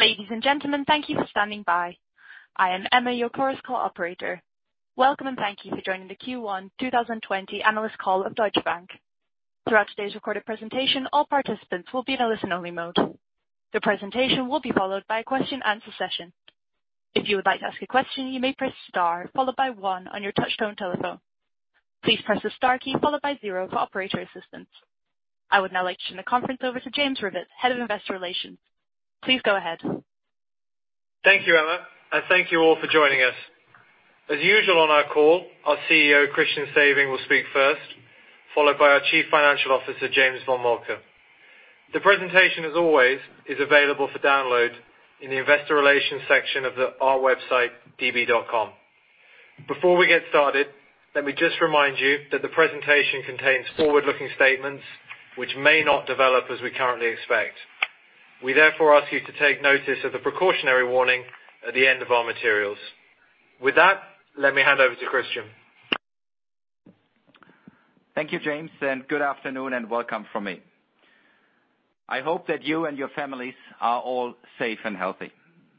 Ladies and gentlemen, thank you for standing by. I am Emma, your Chorus Call operator. Welcome, and thank you for joining the Q1 2020 analyst call of Deutsche Bank. Throughout today's recorded presentation, all participants will be in a listen-only mode. The presentation will be followed by a question and answer session. If you would like to ask a question, you may press star followed by one on your touch-tone telephone. Please press the star key followed by zero for operator assistance. I would now like to turn the conference over to James Rivett, Head of Investor Relations. Please go ahead. Thank you, Emma, and thank you all for joining us. As usual on our call, our Chief Executive Officer, Christian Sewing, will speak first, followed by our Chief Financial Officer, James von Moltke. The presentation, as always, is available for download in the investor relations section of our website, db.com. Before we get started, let me just remind you that the presentation contains forward-looking statements which may not develop as we currently expect. We therefore ask you to take notice of the precautionary warning at the end of our materials. With that, let me hand over to Christian. Thank you, James. Good afternoon and welcome from me. I hope that you and your families are all safe and healthy.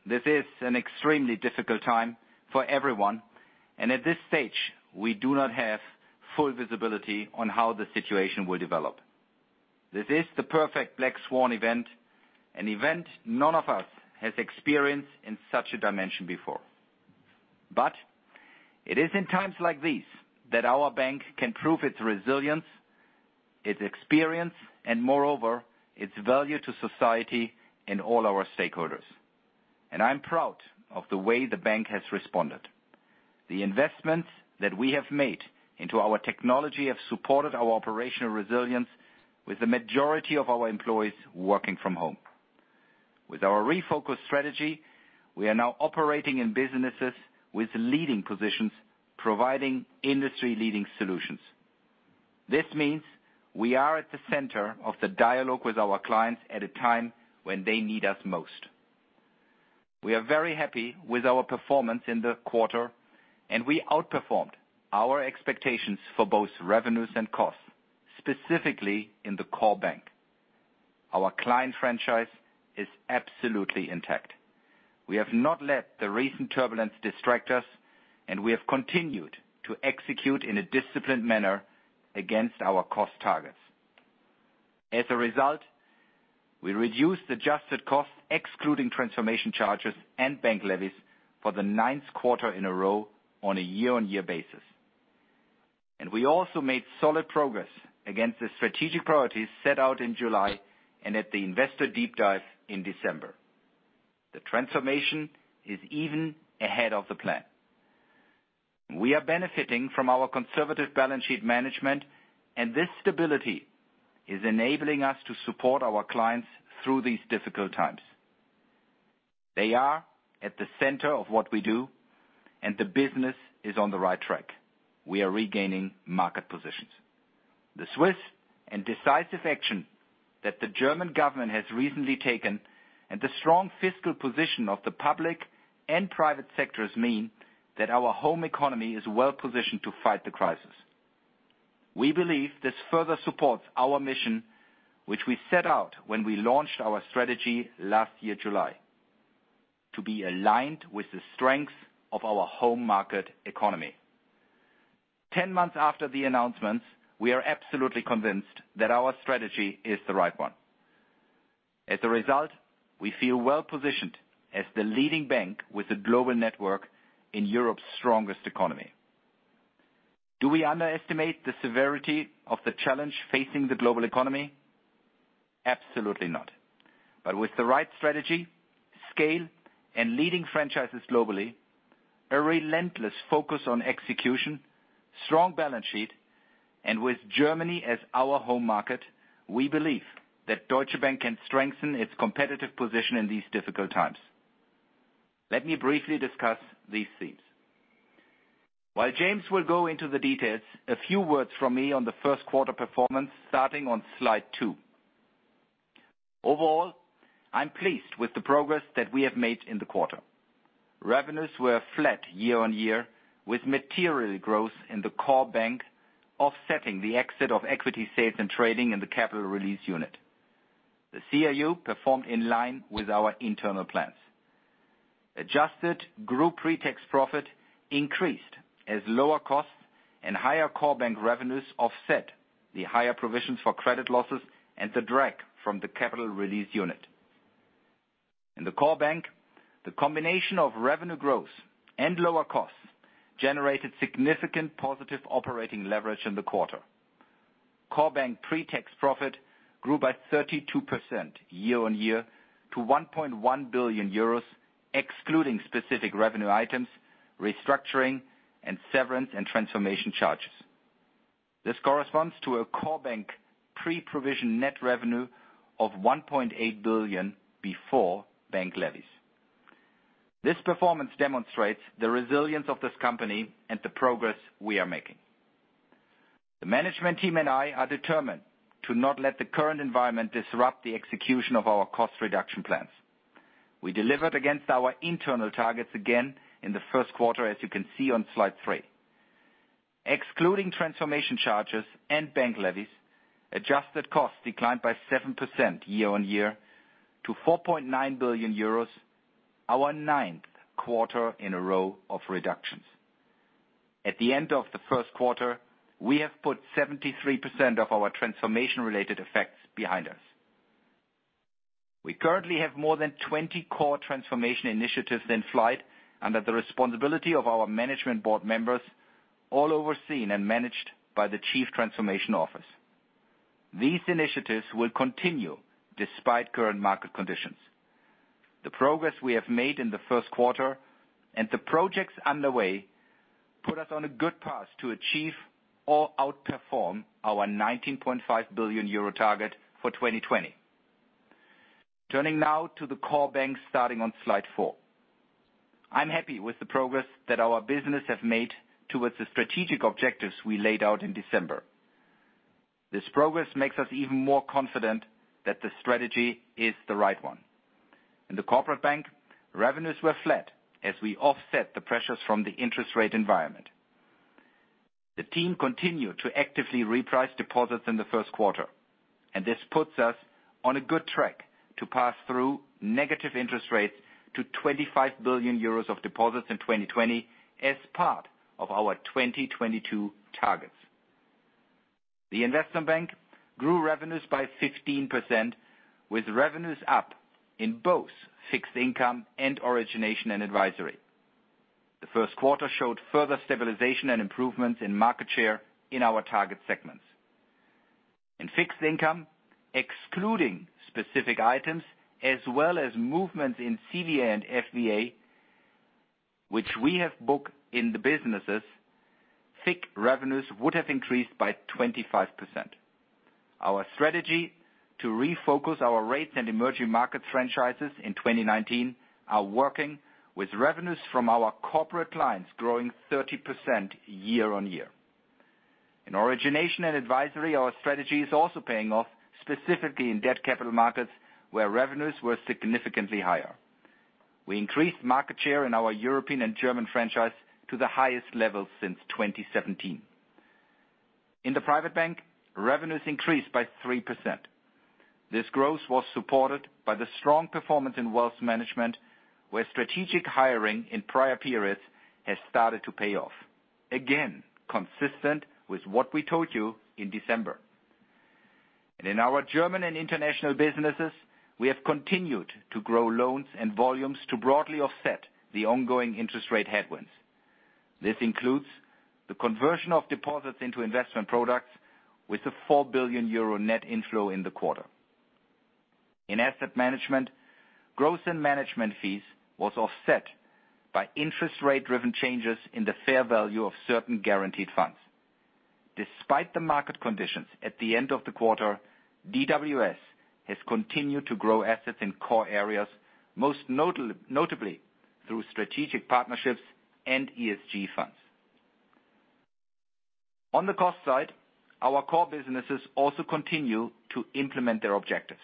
This is an extremely difficult time for everyone. At this stage, we do not have full visibility on how the situation will develop. This is the perfect black swan event, an event none of us has experienced in such a dimension before. It is in times like these that our bank can prove its resilience, its experience, and moreover, its value to society and all our stakeholders. I'm proud of the way the bank has responded. The investments that we have made into our technology have supported our operational resilience with the majority of our employees working from home. With our refocused strategy, we are now operating in businesses with leading positions, providing industry-leading solutions. This means we are at the center of the dialogue with our clients at a time when they need us most. We are very happy with our performance in the quarter. We outperformed our expectations for both revenues and costs, specifically in the core bank. Our client franchise is absolutely intact. We have not let the recent turbulence distract us. We have continued to execute in a disciplined manner against our cost targets. As a result, we reduced adjusted costs, excluding transformation charges and bank levies for the ninth quarter in a row on a year-on-year basis. We also made solid progress against the strategic priorities set out in July and at the investor deep dive in December. The transformation is even ahead of the plan. We are benefiting from our conservative balance sheet management, and this stability is enabling us to support our clients through these difficult times. They are at the center of what we do, and the business is on the right track. We are regaining market positions. The swift and decisive action that the German government has recently taken and the strong fiscal position of the public and private sectors mean that our home economy is well-positioned to fight the crisis. We believe this further supports our mission, which we set out when we launched our strategy last year, July, to be aligned with the strength of our home market economy. 10 months after the announcements, we are absolutely convinced that our strategy is the right one. As a result, we feel well-positioned as the leading bank with a global network in Europe's strongest economy. Do we underestimate the severity of the challenge facing the global economy? Absolutely not. With the right strategy, scale, and leading franchises globally, a relentless focus on execution, strong balance sheet, and with Germany as our home market, we believe that Deutsche Bank can strengthen its competitive position in these difficult times. Let me briefly discuss these themes. While James will go into the details, a few words from me on the first quarter performance starting on slide two. Overall, I am pleased with the progress that we have made in the quarter. Revenues were flat year-on-year, with material growth in the core bank offsetting the exit of equity sales and trading in the Capital Release Unit. The CRU performed in line with our internal plans. Adjusted group pretax profit increased as lower costs and higher core bank revenues offset the higher provisions for credit losses and the drag from the Capital Release Unit. In the core bank, the combination of revenue growth and lower costs generated significant positive operating leverage in the quarter. Core bank pretax profit grew by 32% year-on-year to 1.1 billion euros, excluding specific revenue items, restructuring, and severance and transformation charges. This corresponds to a core bank pre-provision net revenue of 1.8 billion before bank levies. This performance demonstrates the resilience of this company and the progress we are making. The management team and I are determined to not let the current environment disrupt the execution of our cost reduction plans. We delivered against our internal targets again in the first quarter, as you can see on slide three. Excluding transformation charges and bank levies, adjusted costs declined by 7% year-on-year to 4.9 billion euros, our ninth quarter in a row of reductions. At the end of the first quarter, we have put 73% of our transformation-related effects behind us. We currently have more than 20 core transformation initiatives in flight under the responsibility of our management board members, all overseen and managed by the Chief Transformation Office. These initiatives will continue despite current market conditions. The progress we have made in the first quarter and the projects underway put us on a good path to achieve or outperform our 19.5 billion euro target for 2020. Turning now to the core bank starting on slide four. I'm happy with the progress that our business has made towards the strategic objectives we laid out in December. This progress makes us even more confident that the strategy is the right one. In the corporate bank, revenues were flat as we offset the pressures from the interest rate environment. This puts us on a good track to pass through negative interest rates to 25 billion euros of deposits in 2020 as part of our 2022 targets. The investment bank grew revenues by 15%, with revenues up in both fixed income and origination and advisory. The first quarter showed further stabilization and improvements in market share in our target segments. In fixed income, excluding specific items as well as movements in CVA and FVA, which we have booked in the businesses, FICC revenues would have increased by 25%. Our strategy to refocus our rates and emerging market franchises in 2019 are working with revenues from our corporate clients growing 30% year-on-year. In origination and advisory, our strategy is also paying off, specifically in Debt Capital Markets, where revenues were significantly higher. We increased market share in our European and German franchise to the highest levels since 2017. In the Private Bank, revenues increased by 3%. This growth was supported by the strong performance in Wealth Management, where strategic hiring in prior periods has started to pay off. Again, consistent with what we told you in December. In our German and international businesses, we have continued to grow loans and volumes to broadly offset the ongoing interest rate headwinds. This includes the conversion of deposits into investment products with a 4 billion euro net inflow in the quarter. In asset management, growth in management fees was offset by interest rate-driven changes in the fair value of certain guaranteed funds. Despite the market conditions at the end of the quarter, DWS has continued to grow assets in core areas, most notably through strategic partnerships and ESG funds. On the cost side, our core businesses also continue to implement their objectives.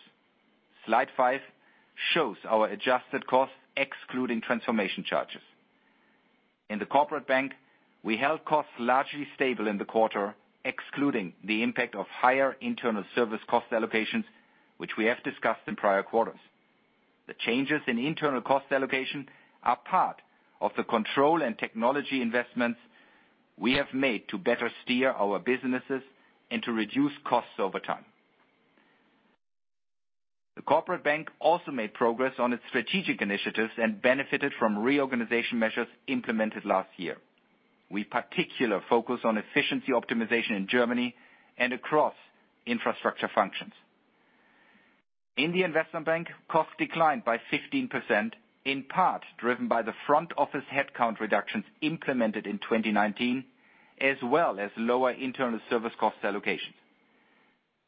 Slide five shows our adjusted costs excluding transformation charges. In the corporate bank, we held costs largely stable in the quarter, excluding the impact of higher internal service cost allocations, which we have discussed in prior quarters. The changes in internal cost allocation are part of the control and technology investments we have made to better steer our businesses and to reduce costs over time. The corporate bank also made progress on its strategic initiatives and benefited from reorganization measures implemented last year. We particular focus on efficiency optimization in Germany and across infrastructure functions. In the investment bank, costs declined by 15%, in part driven by the front office headcount reductions implemented in 2019, as well as lower internal service cost allocations.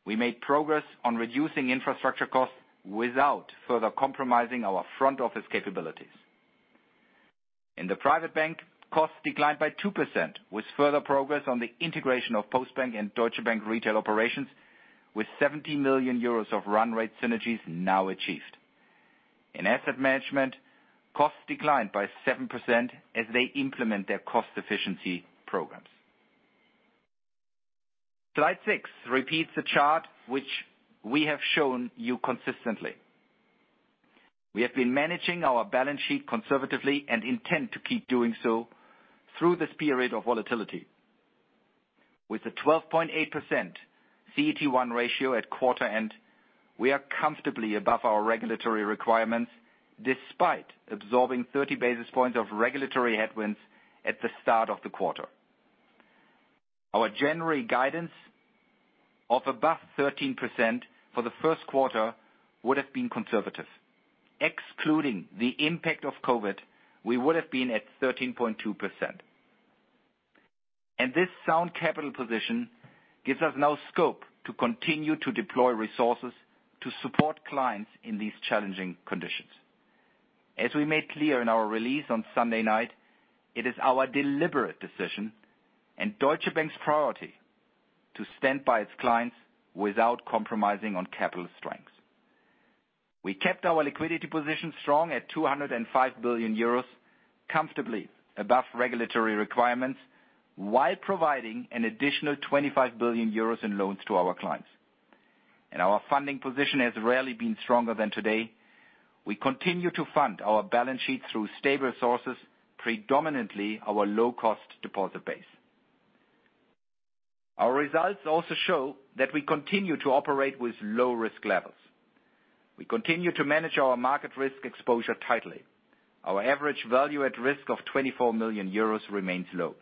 We made progress on reducing infrastructure costs without further compromising our front office capabilities. In the private bank, costs declined by 2% with further progress on the integration of Postbank and Deutsche Bank retail operations, with 70 million euros of run rate synergies now achieved. In asset management, costs declined by 7% as they implement their cost efficiency programs. Slide six repeats the chart which we have shown you consistently. We have been managing our balance sheet conservatively and intend to keep doing so through this period of volatility. With a 12.8% CET1 ratio at quarter end, we are comfortably above our regulatory requirements, despite absorbing 30 basis points of regulatory headwinds at the start of the quarter. Our January guidance of above 13% for the first quarter would have been conservative. Excluding the impact of COVID, we would have been at 13.2%. This sound capital position gives us now scope to continue to deploy resources to support clients in these challenging conditions. As we made clear in our release on Sunday night, it is our deliberate decision and Deutsche Bank's priority to stand by its clients without compromising on capital strength. We kept our liquidity position strong at 205 billion euros, comfortably above regulatory requirements, while providing an additional 25 billion euros in loans to our clients. Our funding position has rarely been stronger than today. We continue to fund our balance sheet through stable sources, predominantly our low-cost deposit base. Our results also show that we continue to operate with low risk levels. We continue to manage our market risk exposure tightly. Our average VaR of 24 million euros remains low.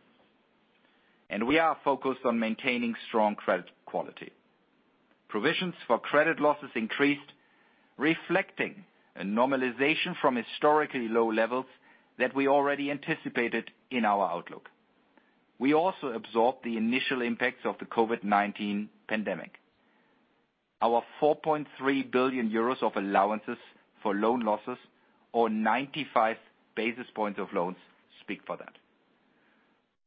We are focused on maintaining strong credit quality. Provisions for credit losses increased, reflecting a normalization from historically low levels that we already anticipated in our outlook. We also absorbed the initial impacts of the COVID-19 pandemic. Our 4.3 billion euros of allowances for loan losses, or 95 basis points of loans, speak for that.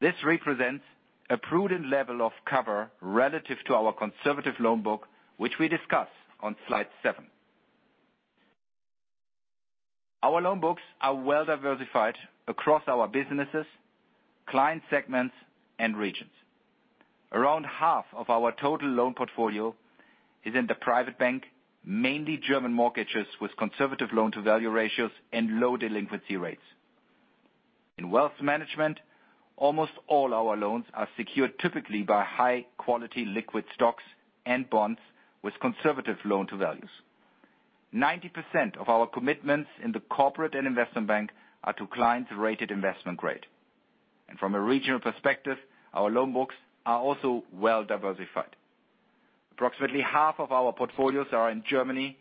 This represents a prudent level of cover relative to our conservative loan book, which we discuss on slide seven. Our loan books are well diversified across our businesses, client segments, and regions. Around half of our total loan portfolio is in the private bank, mainly German mortgages with conservative loan-to-value ratios and low delinquency rates. In wealth management, almost all our loans are secured typically by high quality liquid stocks and bonds with conservative loan-to-values. 90% of our commitments in the corporate and investment bank are to clients rated investment grade. From a regional perspective, our loan books are also well diversified. Approximately half of our portfolios are in Germany,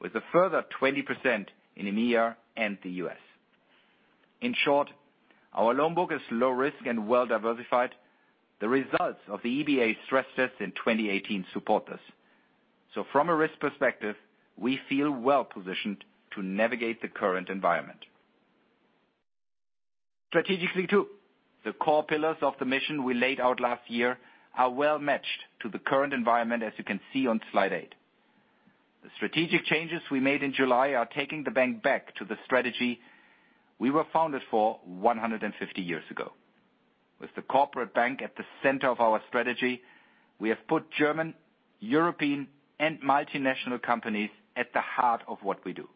with a further 20% in EMEA and the U.S. In short, our loan book is low risk and well diversified. The results of the EBA stress test in 2018 support this. From a risk perspective, we feel well positioned to navigate the current environment. Strategically, too, the core pillars of the mission we laid out last year are well matched to the current environment, as you can see on slide eight. The strategic changes we made in July are taking the bank back to the strategy we were founded for 150 years ago. With the corporate bank at the center of our strategy, we have put German, European, and multinational companies at the heart of what we do.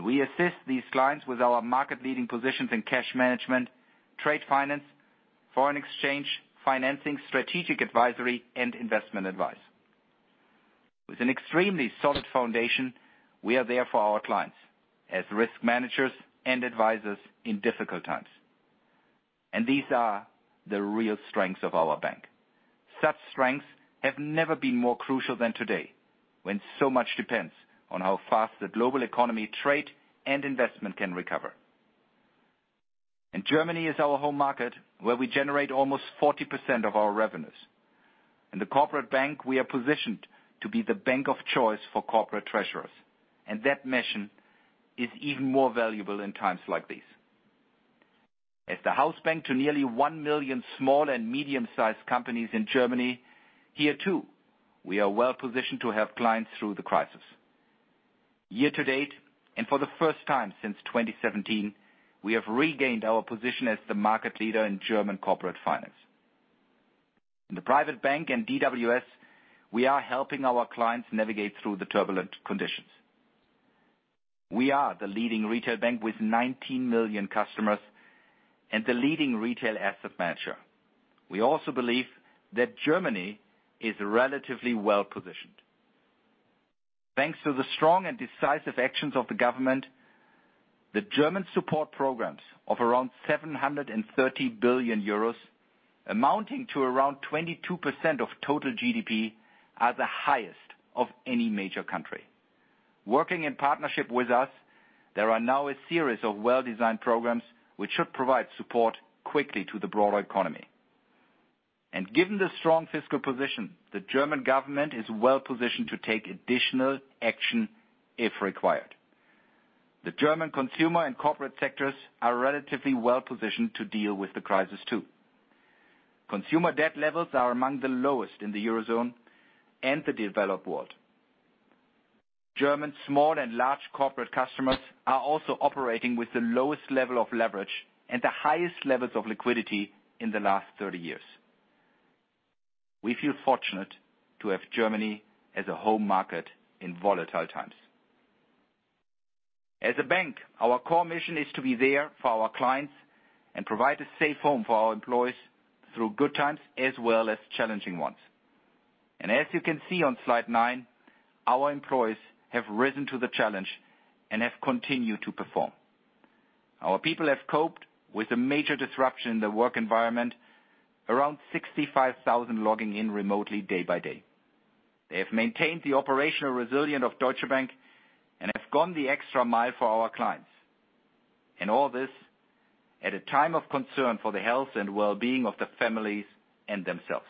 We assist these clients with our market-leading positions in cash management, trade finance, foreign exchange, financing, strategic advisory, and investment advice. With an extremely solid foundation, we are there for our clients as risk managers and advisors in difficult times. These are the real strengths of our bank. Such strengths have never been more crucial than today, when so much depends on how fast the global economy, trade, and investment can recover. Germany is our home market, where we generate almost 40% of our revenues. In the Corporate Bank, we are positioned to be the bank of choice for corporate treasurers, and that mission is even more valuable in times like these. As the house bank to nearly 1 million small and medium-sized companies in Germany, here too, we are well positioned to help clients through the crisis. Year to date, for the first time since 2017, we have regained our position as the market leader in German corporate finance. In the Private Bank and DWS, we are helping our clients navigate through the turbulent conditions. We are the leading retail bank with 19 million customers and the leading retail asset manager. We also believe that Germany is relatively well positioned. Thanks to the strong and decisive actions of the government, the German support programs of around 730 billion euros, amounting to around 22% of total GDP, are the highest of any major country. Working in partnership with us, there are now a series of well-designed programs which should provide support quickly to the broader economy. Given the strong fiscal position, the German government is well positioned to take additional action if required. The German consumer and corporate sectors are relatively well positioned to deal with the crisis, too. Consumer debt levels are among the lowest in the Eurozone and the developed world. German small and large corporate customers are also operating with the lowest level of leverage and the highest levels of liquidity in the last 30 years. We feel fortunate to have Germany as a home market in volatile times. As a bank, our core mission is to be there for our clients and provide a safe home for our employees through good times as well as challenging ones. As you can see on slide nine, our employees have risen to the challenge and have continued to perform. Our people have coped with a major disruption in the work environment, around 65,000 logging in remotely day by day. They have maintained the operational resilience of Deutsche Bank and have gone the extra mile for our clients. All this at a time of concern for the health and well-being of the families and themselves.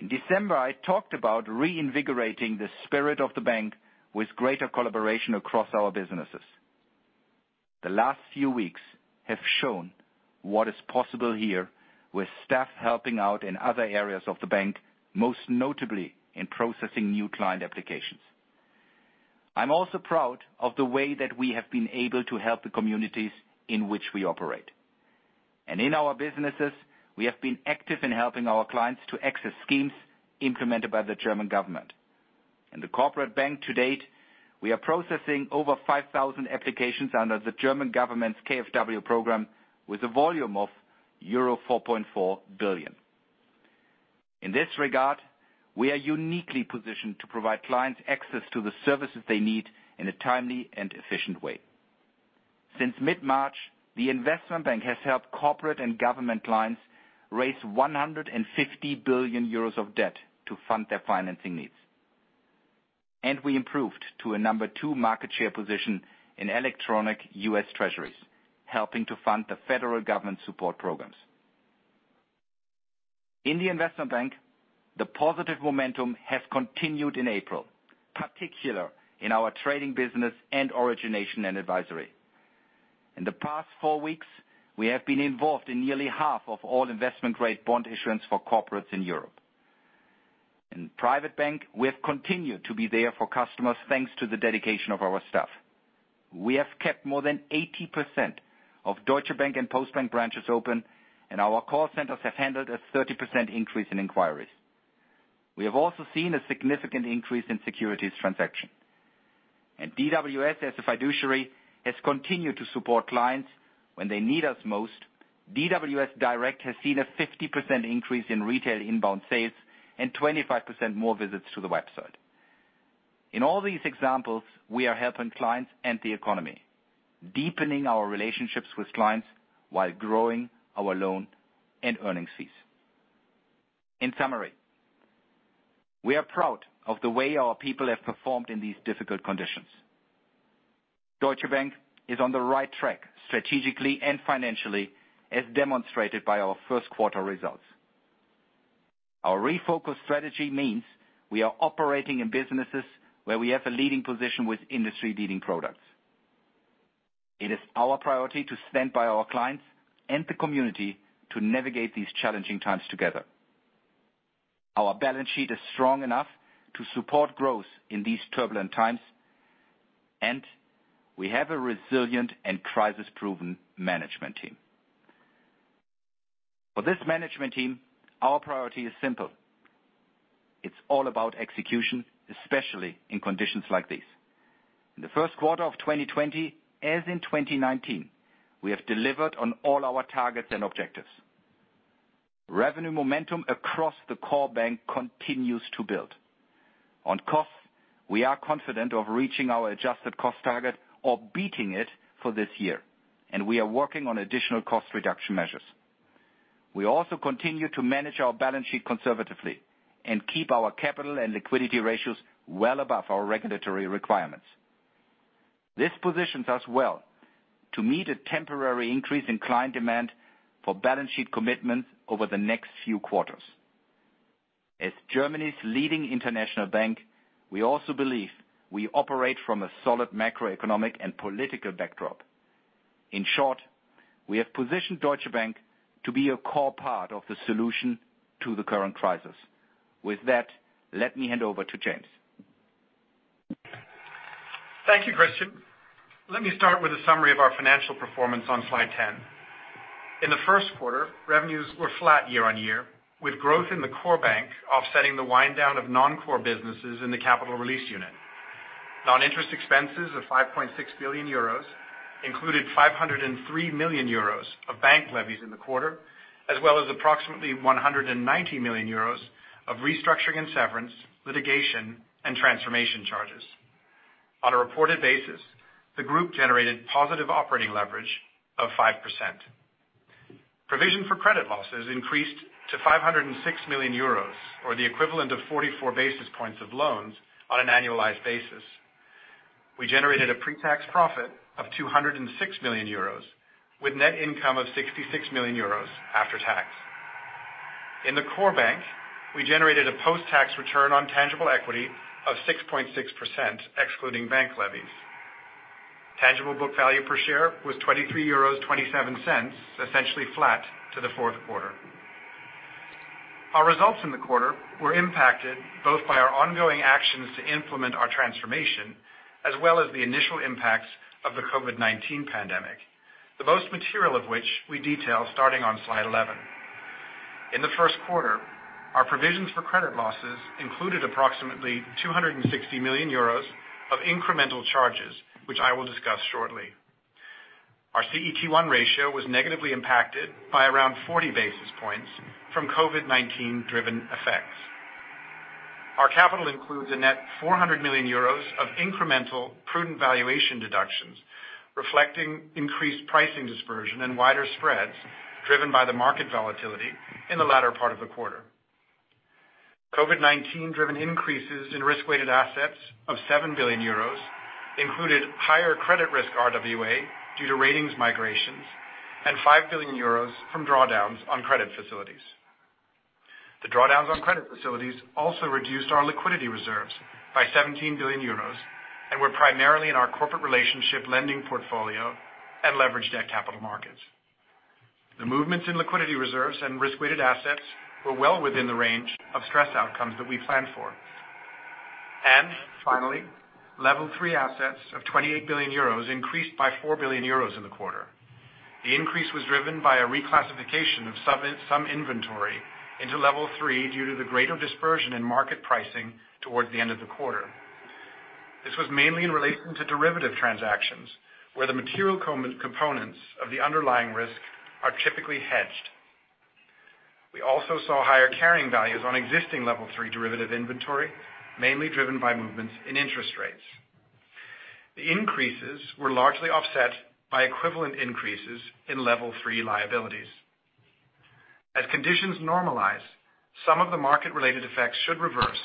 In December, I talked about reinvigorating the spirit of the bank with greater collaboration across our businesses. The last few weeks have shown what is possible here with staff helping out in other areas of the bank, most notably in processing new client applications. I'm also proud of the way that we have been able to help the communities in which we operate. In our businesses, we have been active in helping our clients to access schemes implemented by the German government. In the Corporate Bank to date, we are processing over 5,000 applications under the German government's KfW program with a volume of euro 4.4 billion. In this regard, we are uniquely positioned to provide clients access to the services they need in a timely and efficient way. Since mid-March, the Investment Bank has helped corporate and government clients raise 150 billion euros of debt to fund their financing needs. We improved to a number two market share position in electronic US Treasuries, helping to fund the federal government support programs. In the Investment Bank, the positive momentum has continued in April, particularly in our trading business and origination and advisory. In the past four weeks, we have been involved in nearly half of all investment-grade bond issuance for corporates in Europe. In private bank, we have continued to be there for customers thanks to the dedication of our staff. We have kept more than 80% of Deutsche Bank and Postbank branches open. Our call centers have handled a 30% increase in inquiries. We have also seen a significant increase in securities transaction. DWS, as a fiduciary, has continued to support clients when they need us most. DWS Direct has seen a 50% increase in retail inbound sales and 25% more visits to the website. In all these examples, we are helping clients and the economy, deepening our relationships with clients while growing our loan and earning fees. In summary, we are proud of the way our people have performed in these difficult conditions. Deutsche Bank is on the right track strategically and financially, as demonstrated by our first quarter results. Our refocused strategy means we are operating in businesses where we have a leading position with industry-leading products. It is our priority to stand by our clients and the community to navigate these challenging times together. Our balance sheet is strong enough to support growth in these turbulent times, and we have a resilient and crisis-proven management team. For this management team, our priority is simple. It's all about execution, especially in conditions like these. In the first quarter of 2020, as in 2019, we have delivered on all our targets and objectives. Revenue momentum across the core bank continues to build. On costs, we are confident of reaching our adjusted cost target or beating it for this year, and we are working on additional cost reduction measures. We also continue to manage our balance sheet conservatively and keep our capital and liquidity ratios well above our regulatory requirements. This positions us well to meet a temporary increase in client demand for balance sheet commitments over the next few quarters. As Germany's leading international bank, we also believe we operate from a solid macroeconomic and political backdrop. In short, we have positioned Deutsche Bank to be a core part of the solution to the current crisis. With that, let me hand over to James. Thank you, Christian. Let me start with a summary of our financial performance on slide 10. In the first quarter, revenues were flat year-on-year, with growth in the core bank offsetting the wind down of non-core businesses in the Capital Release Unit. Non-interest expenses of 5.6 billion euros included 503 million euros of bank levies in the quarter, as well as approximately 190 million euros of restructuring and severance, litigation, and transformation charges. On a reported basis, the group generated positive operating leverage of 5%. Provision for credit losses increased to 506 million euros, or the equivalent of 44 basis points of loans on an annualized basis. We generated a pre-tax profit of 206 million euros, with net income of 66 million euros after tax. In the core bank, we generated a post-tax return on tangible equity of 6.6%, excluding bank levies. Tangible book value per share was 23.27 euros, essentially flat to the fourth quarter. Our results in the quarter were impacted both by our ongoing actions to implement our transformation, as well as the initial impacts of the COVID-19 pandemic, the most material of which we detail starting on slide 11. In the first quarter, our provisions for credit losses included approximately 260 million euros of incremental charges, which I will discuss shortly. Our CET1 ratio was negatively impacted by around 40 basis points from COVID-19 driven effects. Our capital includes a net 400 million euros of incremental prudent valuation deductions, reflecting increased pricing dispersion and wider spreads driven by the market volatility in the latter part of the quarter. COVID-19 driven increases in risk-weighted assets of 7 billion euros included higher credit risk RWA due to ratings migrations, and 5 billion euros from drawdowns on credit facilities. The drawdowns on credit facilities also reduced our liquidity reserves by 17 billion euros and were primarily in our corporate relationship lending portfolio and leveraged debt capital markets. The movements in liquidity reserves and risk-weighted assets were well within the range of stress outcomes that we planned for. Finally, Level 3 assets of 28 billion euros increased by 4 billion euros in the quarter. The increase was driven by a reclassification of some inventory into Level 3 due to the greater dispersion in market pricing towards the end of the quarter. This was mainly in relation to derivative transactions, where the material components of the underlying risk are typically hedged. We also saw higher carrying values on existing Level 3 derivative inventory, mainly driven by movements in interest rates. The increases were largely offset by equivalent increases in Level 3 liabilities. As conditions normalize, some of the market-related effects should reverse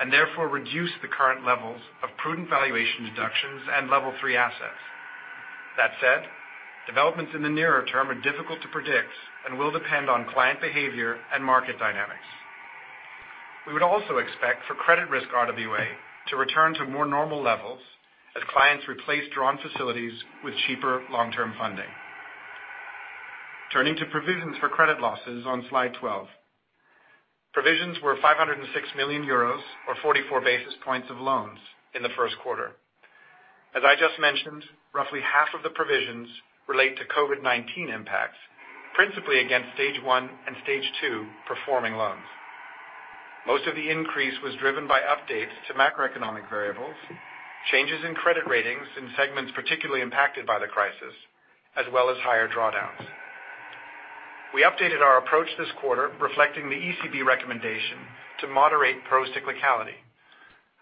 and therefore reduce the current levels of prudent valuation deductions and Level 3 assets. That said, developments in the nearer term are difficult to predict and will depend on client behavior and market dynamics. We would also expect for credit risk RWA to return to more normal levels as clients replace drawn facilities with cheaper long-term funding. Turning to provisions for credit losses on slide 12. Provisions were 506 million euros, or 44 basis points of loans in the first quarter. As I just mentioned, roughly half of the provisions relate to COVID-19 impacts, principally against Stage 1 and Stage 2 performing loans. Most of the increase was driven by updates to macroeconomic variables, changes in credit ratings in segments particularly impacted by the crisis, as well as higher drawdowns. We updated our approach this quarter, reflecting the ECB recommendation to moderate procyclicality.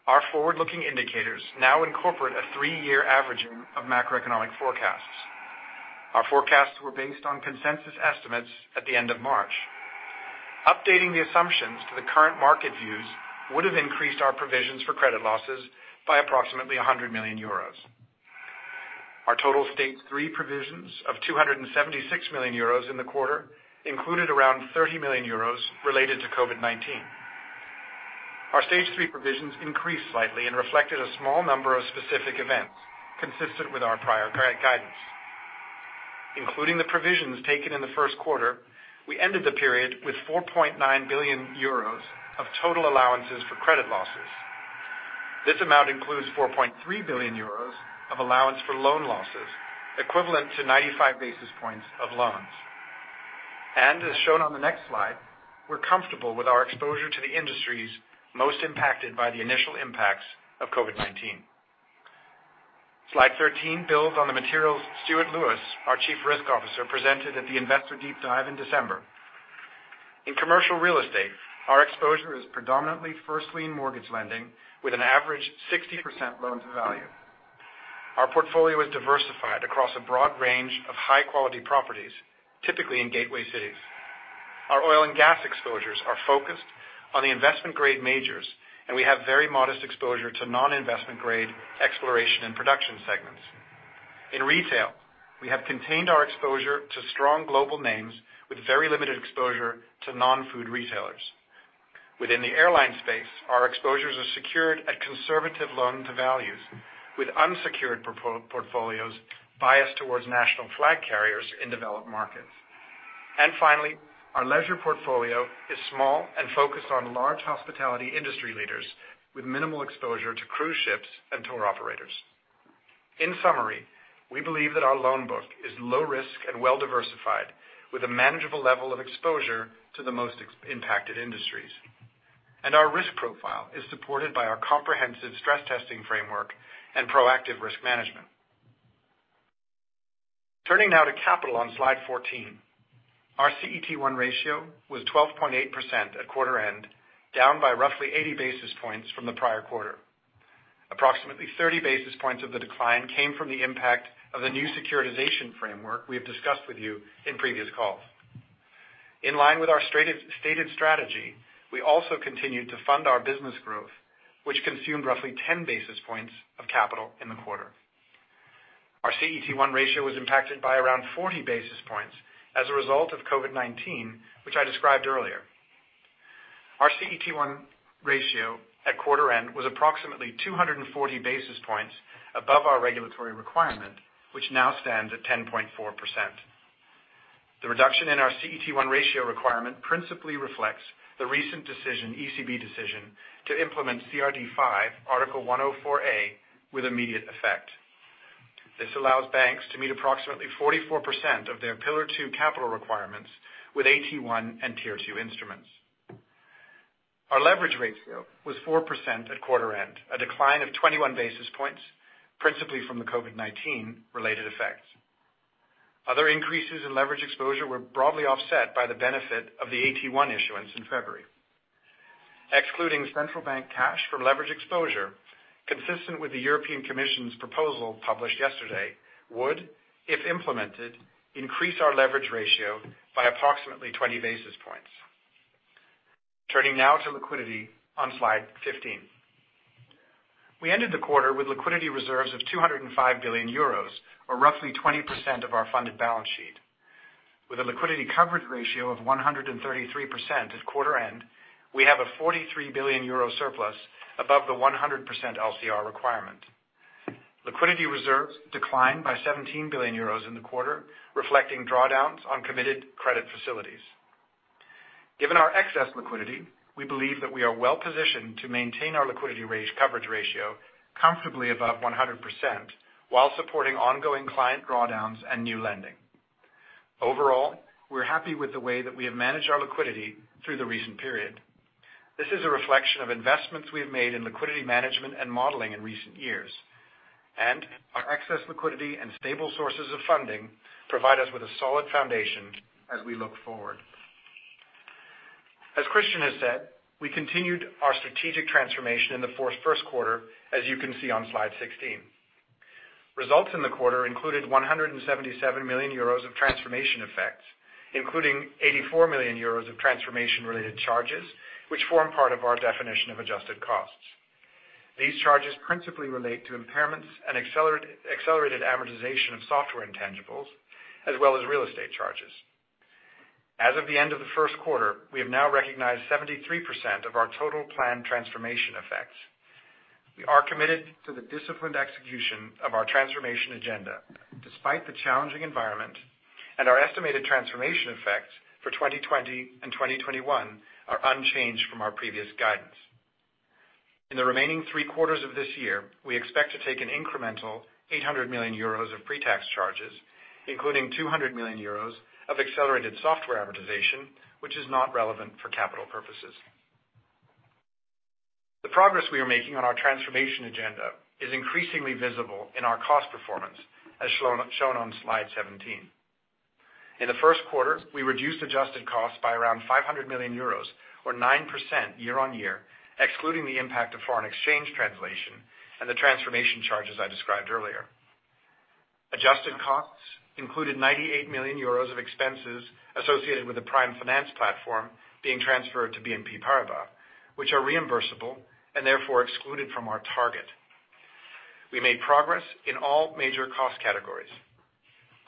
Our forward-looking indicators now incorporate a three-year averaging of macroeconomic forecasts. Our forecasts were based on consensus estimates at the end of March. Updating the assumptions to the current market views would have increased our provisions for credit losses by approximately 100 million euros. Our total stage 3 provisions of 276 million euros in the quarter included around 30 million euros related to COVID-19. Our stage 3 provisions increased slightly and reflected a small number of specific events consistent with our prior guidance. Including the provisions taken in the first quarter, we ended the period with 4.9 billion euros of total allowances for credit losses. This amount includes 4.3 billion euros of allowance for loan losses, equivalent to 95 basis points of loans. As shown on the next slide, we're comfortable with our exposure to the industries most impacted by the initial impacts of COVID-19. Slide 13 builds on the materials Stuart Lewis, our chief risk officer, presented at the investor deep dive in December. In commercial real estate, our exposure is predominantly first-lien mortgage lending with an average 60% loan to value. Our portfolio is diversified across a broad range of high-quality properties, typically in gateway cities. Our oil and gas exposures are focused on the investment-grade majors, and we have very modest exposure to non-investment grade exploration and production segments. In retail, we have contained our exposure to strong global names with very limited exposure to non-food retailers. Within the airline space, our exposures are secured at conservative loan-to-values with unsecured portfolios biased towards national flag carriers in developed markets. Finally, our leisure portfolio is small and focused on large hospitality industry leaders with minimal exposure to cruise ships and tour operators. In summary, we believe that our loan book is low risk and well-diversified with a manageable level of exposure to the most impacted industries. Our risk profile is supported by our comprehensive stress testing framework and proactive risk management. Turning now to capital on slide 14. Our CET1 ratio was 12.8% at quarter end, down by roughly 80 basis points from the prior quarter. Approximately 30 basis points of the decline came from the impact of the new securitization framework we have discussed with you in previous calls. In line with our stated strategy, we also continued to fund our business growth, which consumed roughly 10 basis points of capital in the quarter. Our CET1 ratio was impacted by around 40 basis points as a result of COVID-19, which I described earlier. Our CET1 ratio at quarter end was approximately 240 basis points above our regulatory requirement, which now stands at 10.4%. The reduction in our CET1 ratio requirement principally reflects the recent ECB decision to implement CRD V, Article 104a with immediate effect. This allows banks to meet approximately 44% of their Pillar 2 capital requirements with AT1 and Tier 2 instruments. Our leverage ratio was 4% at quarter end, a decline of 21 basis points, principally from the COVID-19 related effects. Other increases in leverage exposure were broadly offset by the benefit of the AT1 issuance in February. Excluding central bank cash from leverage exposure, consistent with the European Commission's proposal published yesterday, would, if implemented, increase our leverage ratio by approximately 20 basis points. Turning now to liquidity on slide 15. We ended the quarter with liquidity reserves of 205 billion euros, or roughly 20% of our funded balance sheet. With a liquidity coverage ratio of 133% at quarter end, we have a 43 billion euro surplus above the 100% LCR requirement. Liquidity reserves declined by 17 billion euros in the quarter, reflecting drawdowns on committed credit facilities. Given our excess liquidity, we believe that we are well-positioned to maintain our liquidity coverage ratio comfortably above 100%, while supporting ongoing client drawdowns and new lending. Overall, we're happy with the way that we have managed our liquidity through the recent period. This is a reflection of investments we have made in liquidity management and modeling in recent years, and our excess liquidity and stable sources of funding provide us with a solid foundation as we look forward. As Christian has said, we continued our strategic transformation in the fourth first quarter, as you can see on slide 16. Results in the quarter included 177 million euros of transformation effects, including 84 million euros of transformation-related charges, which form part of our definition of adjusted costs. These charges principally relate to impairments and accelerated amortization of software intangibles, as well as real estate charges. As of the end of the first quarter, we have now recognized 73% of our total planned transformation effects. We are committed to the disciplined execution of our transformation agenda, despite the challenging environment, and our estimated transformation effects for 2020 and 2021 are unchanged from our previous guidance. In the remaining three quarters of this year, we expect to take an incremental 800 million euros of pre-tax charges, including 200 million euros of accelerated software amortization, which is not relevant for capital purposes. The progress we are making on our transformation agenda is increasingly visible in our cost performance, as shown on slide 17. In the first quarter, we reduced adjusted costs by around 500 million euros or 9% year-on-year, excluding the impact of foreign exchange translation and the transformation charges I described earlier. Adjusted costs included 98 million euros of expenses associated with the Prime Finance platform being transferred to BNP Paribas, which are reimbursable and therefore excluded from our target.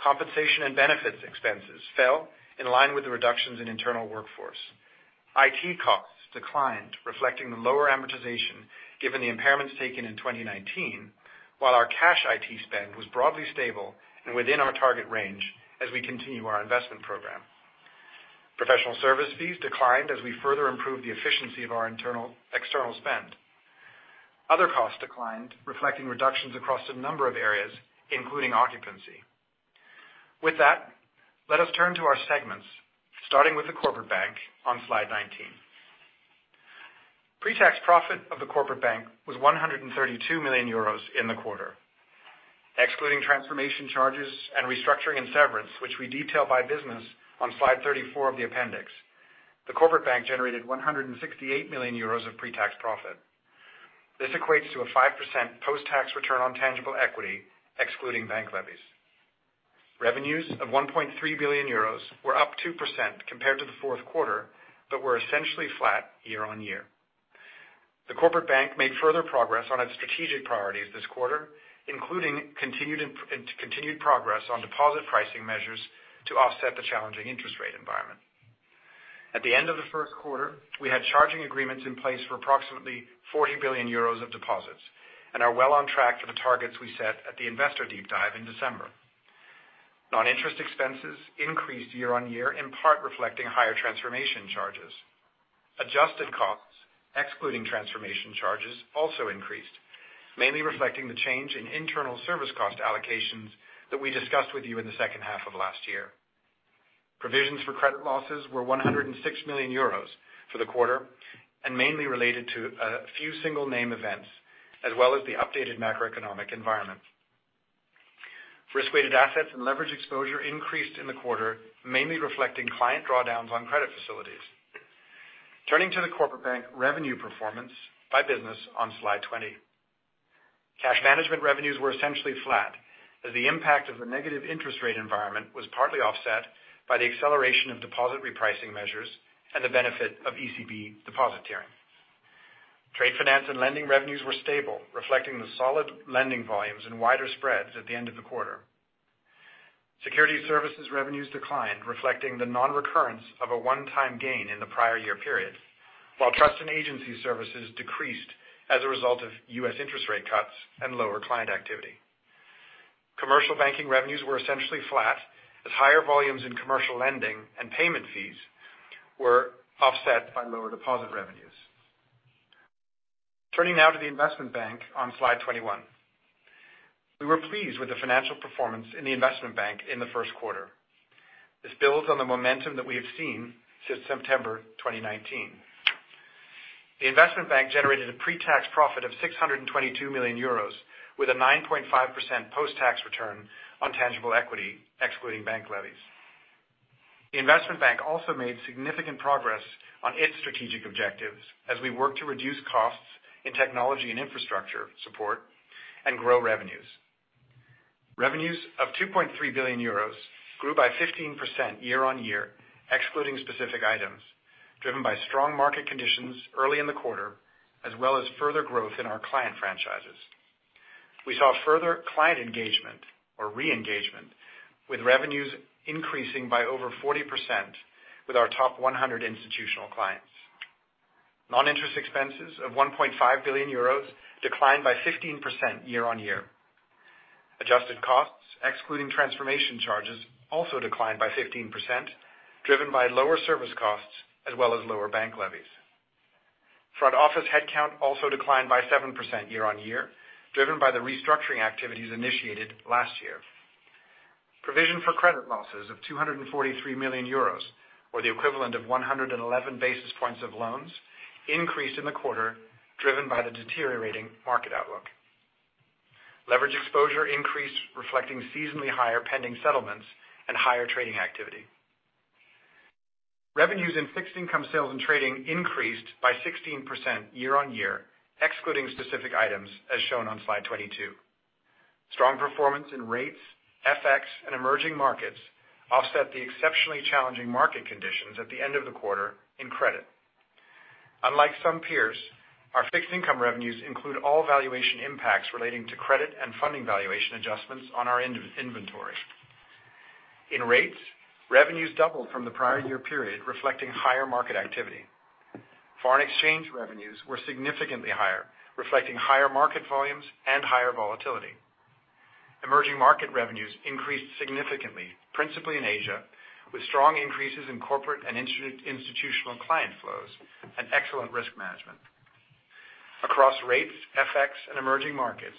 Compensation and benefits expenses fell in line with the reductions in internal workforce. IT costs declined, reflecting the lower amortization given the impairments taken in 2019, while our cash IT spend was broadly stable and within our target range as we continue our investment program. Professional service fees declined as we further improved the efficiency of our external spend. Other costs declined, reflecting reductions across a number of areas, including occupancy. Let us turn to our segments, starting with the Corporate Bank on slide 19. Pre-tax profit of the Corporate Bank was 132 million euros in the quarter. Excluding transformation charges and restructuring and severance, which we detail by business on slide 34 of the appendix, the Corporate Bank generated 168 million euros of pre-tax profit. This equates to a 5% post-tax return on tangible equity excluding bank levies. Revenues of 1.3 billion euros were up 2% compared to the fourth quarter, but were essentially flat year-on-year. The corporate bank made further progress on its strategic priorities this quarter, including continued progress on deposit pricing measures to offset the challenging interest rate environment. At the end of the first quarter, we had charging agreements in place for approximately 40 billion euros of deposits and are well on track for the targets we set at the investor deep dive in December. Non-interest expenses increased year-over-year, in part reflecting higher transformation charges. Adjusted costs, excluding transformation charges, also increased, mainly reflecting the change in internal service cost allocations that we discussed with you in the second half of last year. Provisions for credit losses were 106 million euros for the quarter and mainly related to a few single name events, as well as the updated macroeconomic environment. Risk-weighted assets and leverage exposure increased in the quarter, mainly reflecting client drawdowns on credit facilities. Turning to the corporate bank revenue performance by business on slide 20. Cash management revenues were essentially flat as the impact of the negative interest rate environment was partly offset by the acceleration of deposit repricing measures and the benefit of ECB deposit tiering. Trade finance and lending revenues were stable, reflecting the solid lending volumes and wider spreads at the end of the quarter. Security services revenues declined, reflecting the non-recurrence of a one-time gain in the prior year period. While trust and agency services decreased as a result of U.S. interest rate cuts and lower client activity. Commercial banking revenues were essentially flat as higher volumes in commercial lending and payment fees were offset by lower deposit revenues. Turning now to the investment bank on slide 21. We were pleased with the financial performance in the investment bank in the first quarter. This builds on the momentum that we have seen since September 2019. The investment bank generated a pre-tax profit of 622 million euros, with a 9.5% post-tax return on tangible equity excluding bank levies. The investment bank also made significant progress on its strategic objectives as we work to reduce costs in technology and infrastructure support and grow revenues. Revenues of 2.3 billion euros grew by 15% year-on-year, excluding specific items, driven by strong market conditions early in the quarter, as well as further growth in our client franchises. We saw further client engagement or re-engagement with revenues increasing by over 40% with our top 100 institutional clients. Non-interest expenses of 1.5 billion euros declined by 15% year-on-year. Adjusted costs, excluding transformation charges, also declined by 15%, driven by lower service costs as well as lower bank levies. Front office headcount also declined by 7% year-on-year, driven by the restructuring activities initiated last year. Provision for credit losses of 243 million euros, or the equivalent of 111 basis points of loans, increased in the quarter, driven by the deteriorating market outlook. Leverage exposure increased, reflecting seasonally higher pending settlements and higher trading activity. Revenues in fixed income sales and trading increased by 16% year-on-year, excluding specific items as shown on slide 22. Strong performance in rates, FX and emerging markets offset the exceptionally challenging market conditions at the end of the quarter in credit. Unlike some peers, our fixed income revenues include all valuation impacts relating to credit and funding valuation adjustments on our inventory. In rates, revenues doubled from the prior year period, reflecting higher market activity. Foreign exchange revenues were significantly higher, reflecting higher market volumes and higher volatility. Emerging market revenues increased significantly, principally in Asia, with strong increases in corporate and institutional client flows and excellent risk management. Across rates, FX and emerging markets,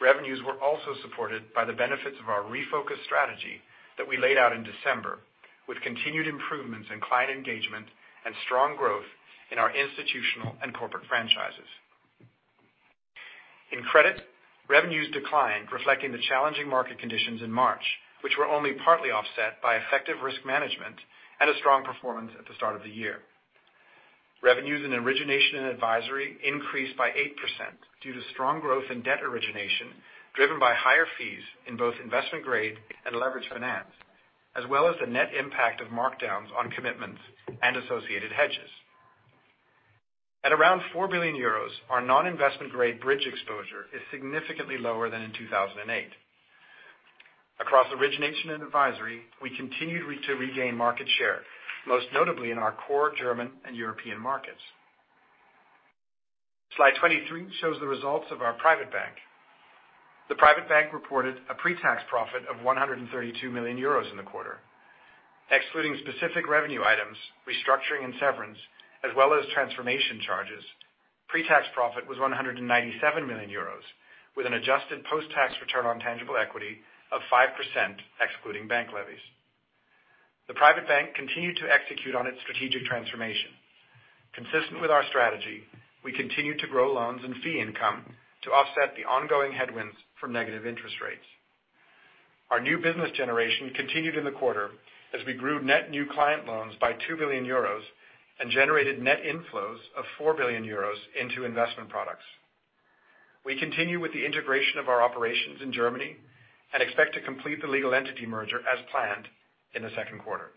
revenues were also supported by the benefits of our refocused strategy that we laid out in December, with continued improvements in client engagement and strong growth in our institutional and corporate franchises. In credit, revenues declined, reflecting the challenging market conditions in March, which were only partly offset by effective risk management and a strong performance at the start of the year. Revenues in origination and advisory increased by 8% due to strong growth in debt origination, driven by higher fees in both investment grade and leveraged finance, as well as the net impact of markdowns on commitments and associated hedges. At around 4 billion euros, our non-investment grade bridge exposure is significantly lower than in 2008. Across origination and advisory, we continued to regain market share, most notably in our core German and European markets. Slide 23 shows the results of our Private Bank. The Private Bank reported a pre-tax profit of 132 million euros in the quarter. Excluding specific revenue items, restructuring and severance, as well as transformation charges, pre-tax profit was 197 million euros, with an adjusted post-tax return on tangible equity of 5% excluding bank levies. The private bank continued to execute on its strategic transformation. Consistent with our strategy, we continued to grow loans and fee income to offset the ongoing headwinds from negative interest rates. Our new business generation continued in the quarter as we grew net new client loans by 2 billion euros and generated net inflows of 4 billion euros into investment products. We continue with the integration of our operations in Germany and expect to complete the legal entity merger as planned in the second quarter.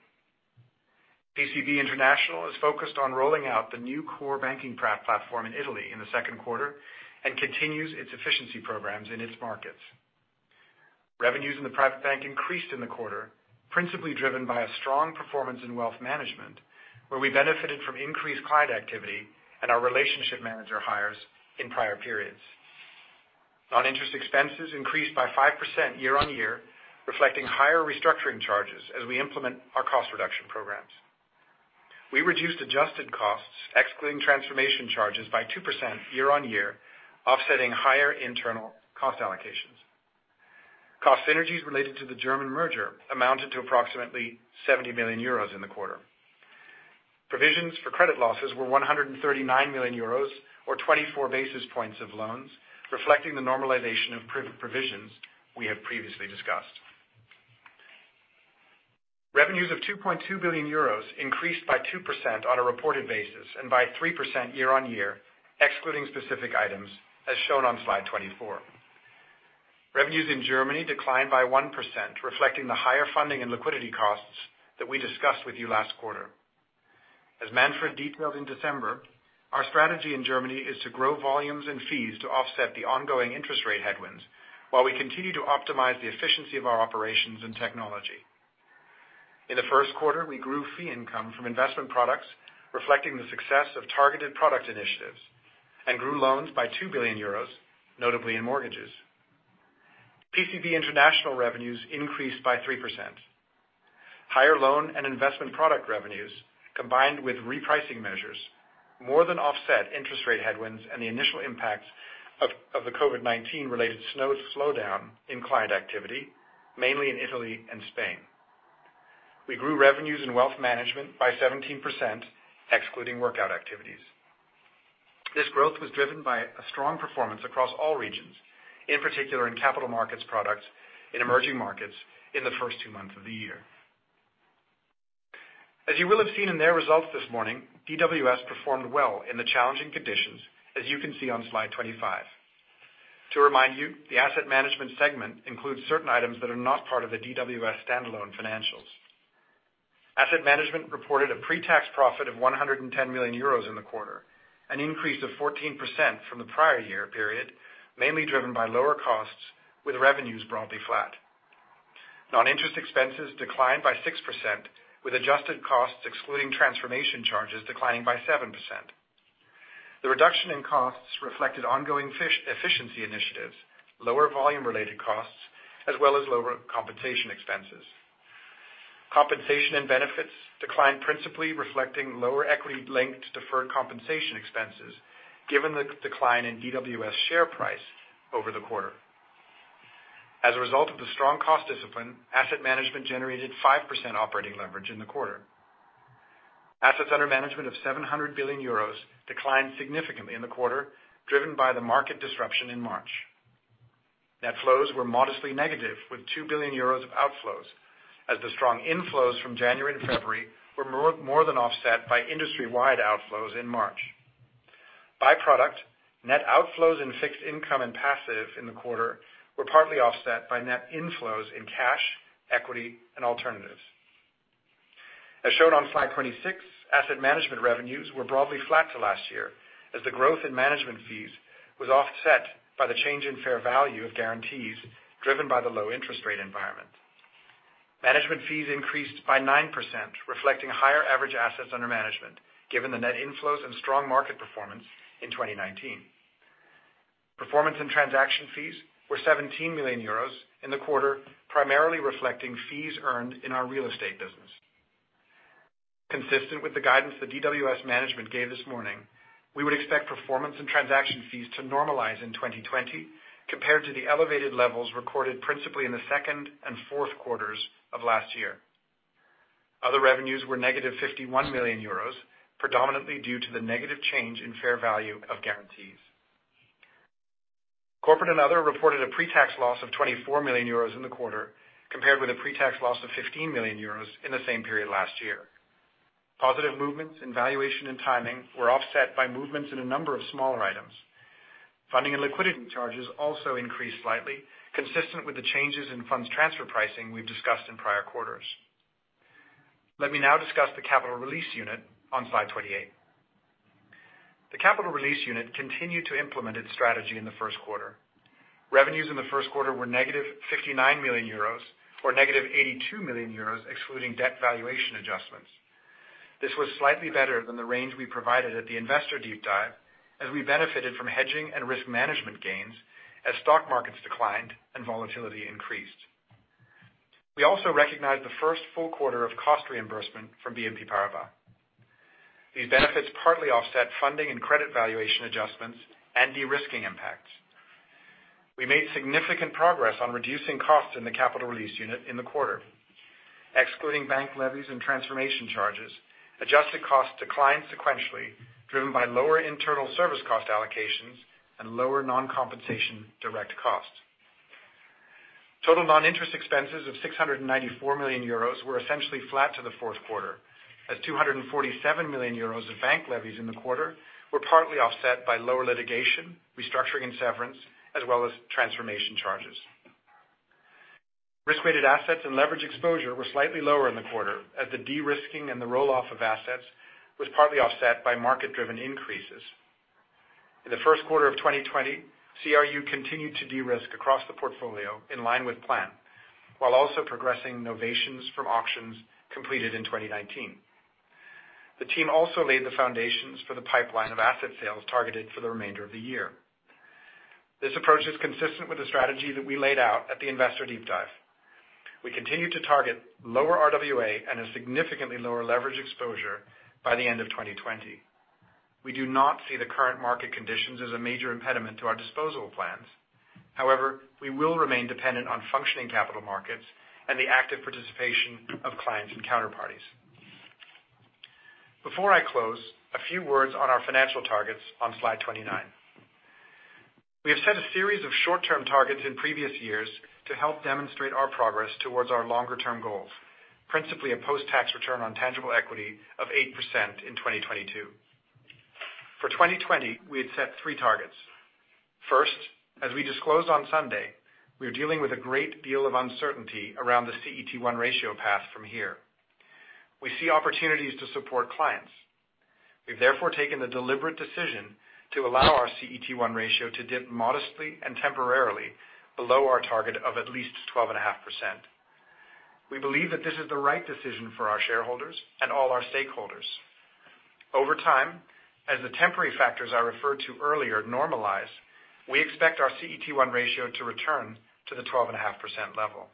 PCB International is focused on rolling out the new core banking platform in Italy in the second quarter and continues its efficiency programs in its markets. Revenues in the private bank increased in the quarter, principally driven by a strong performance in wealth management, where we benefited from increased client activity and our relationship manager hires in prior periods. Non-interest expenses increased by 5% year-on-year, reflecting higher restructuring charges as we implement our cost reduction programs. We reduced adjusted costs, excluding transformation charges, by 2% year-on-year, offsetting higher internal cost allocations. Cost synergies related to the German merger amounted to approximately 70 million euros in the quarter. Provisions for credit losses were 139 million euros, or 24 basis points of loans, reflecting the normalization of provisions we have previously discussed. Revenues of 2.2 billion euros increased by 2% on a reported basis and by 3% year-on-year, excluding specific items as shown on slide 24. Revenues in Germany declined by 1%, reflecting the higher funding and liquidity costs that we discussed with you last quarter. As Manfred detailed in December, our strategy in Germany is to grow volumes and fees to offset the ongoing interest rate headwinds while we continue to optimize the efficiency of our operations and technology. In the first quarter, we grew fee income from investment products, reflecting the success of targeted product initiatives, and grew loans by 2 billion euros, notably in mortgages. PCB International revenues increased by 3%. Higher loan and investment product revenues, combined with repricing measures, more than offset interest rate headwinds and the initial impact of the COVID-19-related slowdown in client activity, mainly in Italy and Spain. We grew revenues in wealth management by 17%, excluding workout activities. This growth was driven by a strong performance across all regions, in particular in capital markets products in emerging markets in the first two months of the year. As you will have seen in their results this morning, DWS performed well in the challenging conditions, as you can see on slide 25. To remind you, the asset management segment includes certain items that are not part of the DWS standalone financials. Asset Management reported a pre-tax profit of 110 million euros in the quarter, an increase of 14% from the prior year period, mainly driven by lower costs with revenues broadly flat. Non-interest expenses declined by 6%, with adjusted costs excluding transformation charges declining by 7%. The reduction in costs reflected ongoing efficiency initiatives, lower volume-related costs, as well as lower compensation expenses. Compensation and benefits declined principally reflecting lower equity-linked deferred compensation expenses given the decline in DWS share price over the quarter. As a result of the strong cost discipline, asset management generated 5% operating leverage in the quarter. Assets under management of 700 billion euros declined significantly in the quarter, driven by the market disruption in March. Net flows were modestly negative, with 2 billion euros of outflows, as the strong inflows from January to February were more than offset by industry-wide outflows in March. By product, net outflows in fixed income and passive in the quarter were partly offset by net inflows in cash, equity, and alternatives. As shown on slide 26, asset management revenues were broadly flat to last year, as the growth in management fees was offset by the change in fair value of guarantees driven by the low interest rate environment. Management fees increased by 9%, reflecting higher average assets under management given the net inflows and strong market performance in 2019. Performance and transaction fees were 17 million euros in the quarter, primarily reflecting fees earned in our real estate business. Consistent with the guidance that DWS management gave this morning, we would expect performance and transaction fees to normalize in 2020 compared to the elevated levels recorded principally in the second and fourth quarters of last year. Other revenues were -51 million euros, predominantly due to the negative change in fair value of guarantees. Corporate and Other reported a pre-tax loss of 24 million euros in the quarter, compared with a pre-tax loss of 15 million euros in the same period last year. Positive movements in valuation and timing were offset by movements in a number of smaller items. Funding and liquidity charges also increased slightly, consistent with the changes in funds transfer pricing we've discussed in prior quarters. Let me now discuss the Capital Release Unit on slide 28. The Capital Release Unit continued to implement its strategy in the first quarter. Revenues in the first quarter were -59 million euros, or -82 million euros excluding debt valuation adjustments. This was slightly better than the range we provided at the investor deep dive, as we benefited from hedging and risk management gains as stock markets declined and volatility increased. We also recognized the first full quarter of cost reimbursement from BNP Paribas. These benefits partly offset funding and credit valuation adjustments and de-risking impacts. We made significant progress on reducing costs in the Capital Release Unit in the quarter. Excluding bank levies and transformation charges, adjusted costs declined sequentially, driven by lower internal service cost allocations and lower non-compensation direct costs. Total non-interest expenses of 694 million euros were essentially flat to the fourth quarter, as 247 million euros of bank levies in the quarter were partly offset by lower litigation, restructuring, and severance, as well as transformation charges. Risk-weighted assets and leverage exposure were slightly lower in the quarter as the de-risking and the roll-off of assets was partly offset by market-driven increases. In the first quarter of 2020, CRU continued to de-risk across the portfolio in line with plan, while also progressing novations from auctions completed in 2019. The team also laid the foundations for the pipeline of asset sales targeted for the remainder of the year. This approach is consistent with the strategy that we laid out at the investor deep dive. We continue to target lower RWA and a significantly lower leverage exposure by the end of 2020. We do not see the current market conditions as a major impediment to our disposal plans. We will remain dependent on functioning capital markets and the active participation of clients and counterparties. Before I close, a few words on our financial targets on slide 29. We have set a series of short-term targets in previous years to help demonstrate our progress towards our longer-term goals, principally a post-tax return on tangible equity of 8% in 2022. For 2020, we had set three targets. First, as we disclosed on Sunday, we are dealing with a great deal of uncertainty around the CET1 ratio path from here. We see opportunities to support clients. We've therefore taken the deliberate decision to allow our CET1 ratio to dip modestly and temporarily below our target of at least 12.5%. We believe that this is the right decision for our shareholders and all our stakeholders. Over time, as the temporary factors I referred to earlier normalize, we expect our CET1 ratio to return to the 12.5% level.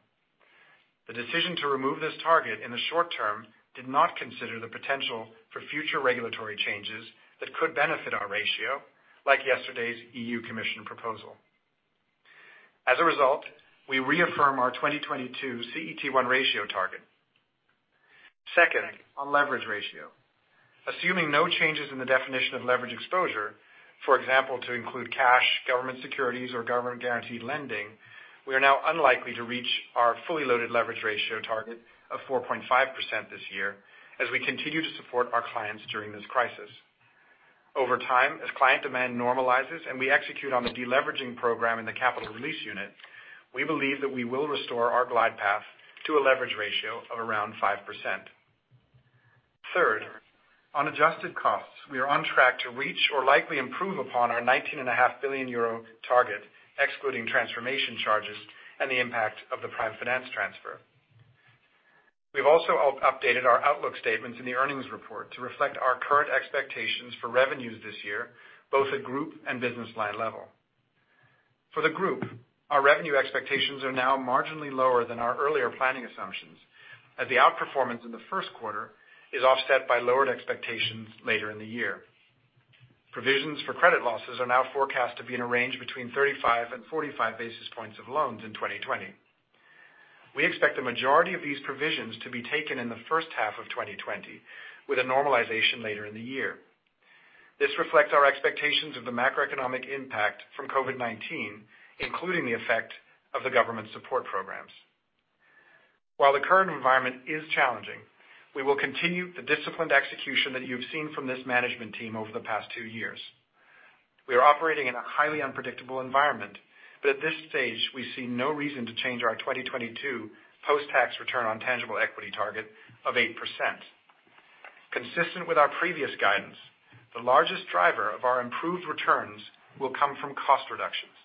The decision to remove this target in the short term did not consider the potential for future regulatory changes that could benefit our ratio, like yesterday's EU Commission proposal. As a result, we reaffirm our 2022 CET1 ratio target. Second, on leverage ratio. Assuming no changes in the definition of leverage exposure, for example, to include cash, government securities or government-guaranteed lending, we are now unlikely to reach our fully loaded leverage ratio target of 4.5% this year as we continue to support our clients during this crisis. Over time, as client demand normalizes and we execute on the deleveraging program in the Capital Release Unit, we believe that we will restore our glide path to a leverage ratio of around 5%. Third, on adjusted costs, we are on track to reach or likely improve upon our 19.5 billion euro target, excluding transformation charges and the impact of the Prime Finance transfer. We've also updated our outlook statements in the earnings report to reflect our current expectations for revenues this year, both at group and business line level. For the group, our revenue expectations are now marginally lower than our earlier planning assumptions, as the outperformance in the first quarter is offset by lowered expectations later in the year. Provisions for credit losses are now forecast to be in a range between 35 and 45 basis points of loans in 2020. We expect the majority of these provisions to be taken in the first half of 2020, with a normalization later in the year. This reflects our expectations of the macroeconomic impact from COVID-19, including the effect of the government support programs. While the current environment is challenging, we will continue the disciplined execution that you've seen from this management team over the past two years. We are operating in a highly unpredictable environment, but at this stage, we see no reason to change our 2022 post-tax return on tangible equity target of 8%. Consistent with our previous guidance, the largest driver of our improved returns will come from cost reductions.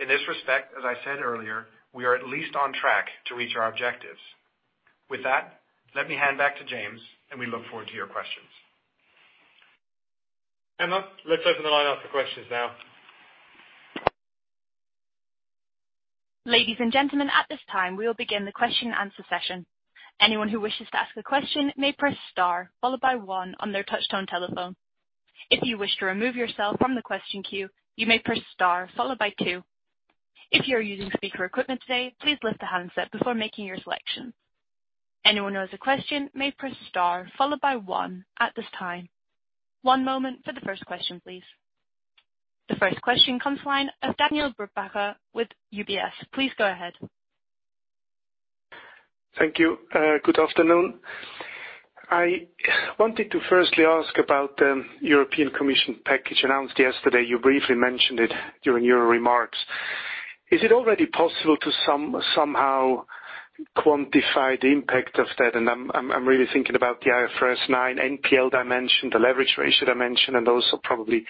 In this respect, as I said earlier, we are at least on track to reach our objectives. With that, let me hand back to James, and we look forward to your questions. Emma, let's open the line up for questions now. Ladies and gentlemen, at this time, we will begin the question and answer session. Anyone who wishes to ask a question may press star followed by one on their touch-tone telephone. If you wish to remove yourself from the question queue, you may press star followed by two. If you are using speaker equipment today, please lift the handset before making your selection. Anyone who has a question may press star followed by one at this time. One moment for the first question, please. The first question comes to the line of Daniele Brupbacher with UBS. Please go ahead. Thank you. Good afternoon. I wanted to firstly ask about the European Commission package announced yesterday. You briefly mentioned it during your remarks. Is it already possible to somehow quantify the impact of that? I'm really thinking about the IFRS 9 NPL dimension, the leverage ratio dimension, and also probably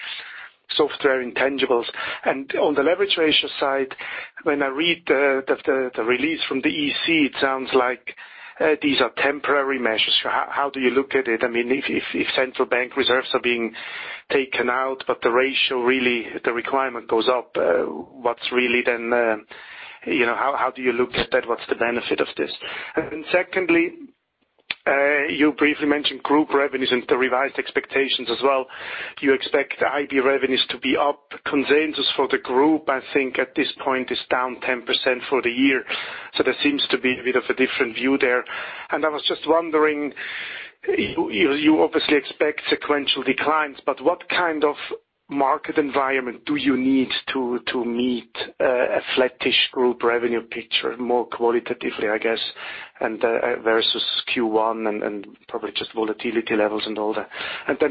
software intangibles. On the leverage ratio side, when I read the release from the EC, it sounds like these are temporary measures. How do you look at it? If central bank reserves are being taken out, but the ratio, the requirement goes up, how do you look at that? What's the benefit of this? Secondly, you briefly mentioned group revenues and the revised expectations as well. You expect the IB revenues to be up. Consensus for the group, I think at this point, is down 10% for the year. There seems to be a bit of a different view there. I was just wondering, you obviously expect sequential declines, but what kind of market environment do you need to meet a flattish group revenue picture more qualitatively, I guess, versus Q1 and probably just volatility levels and all that.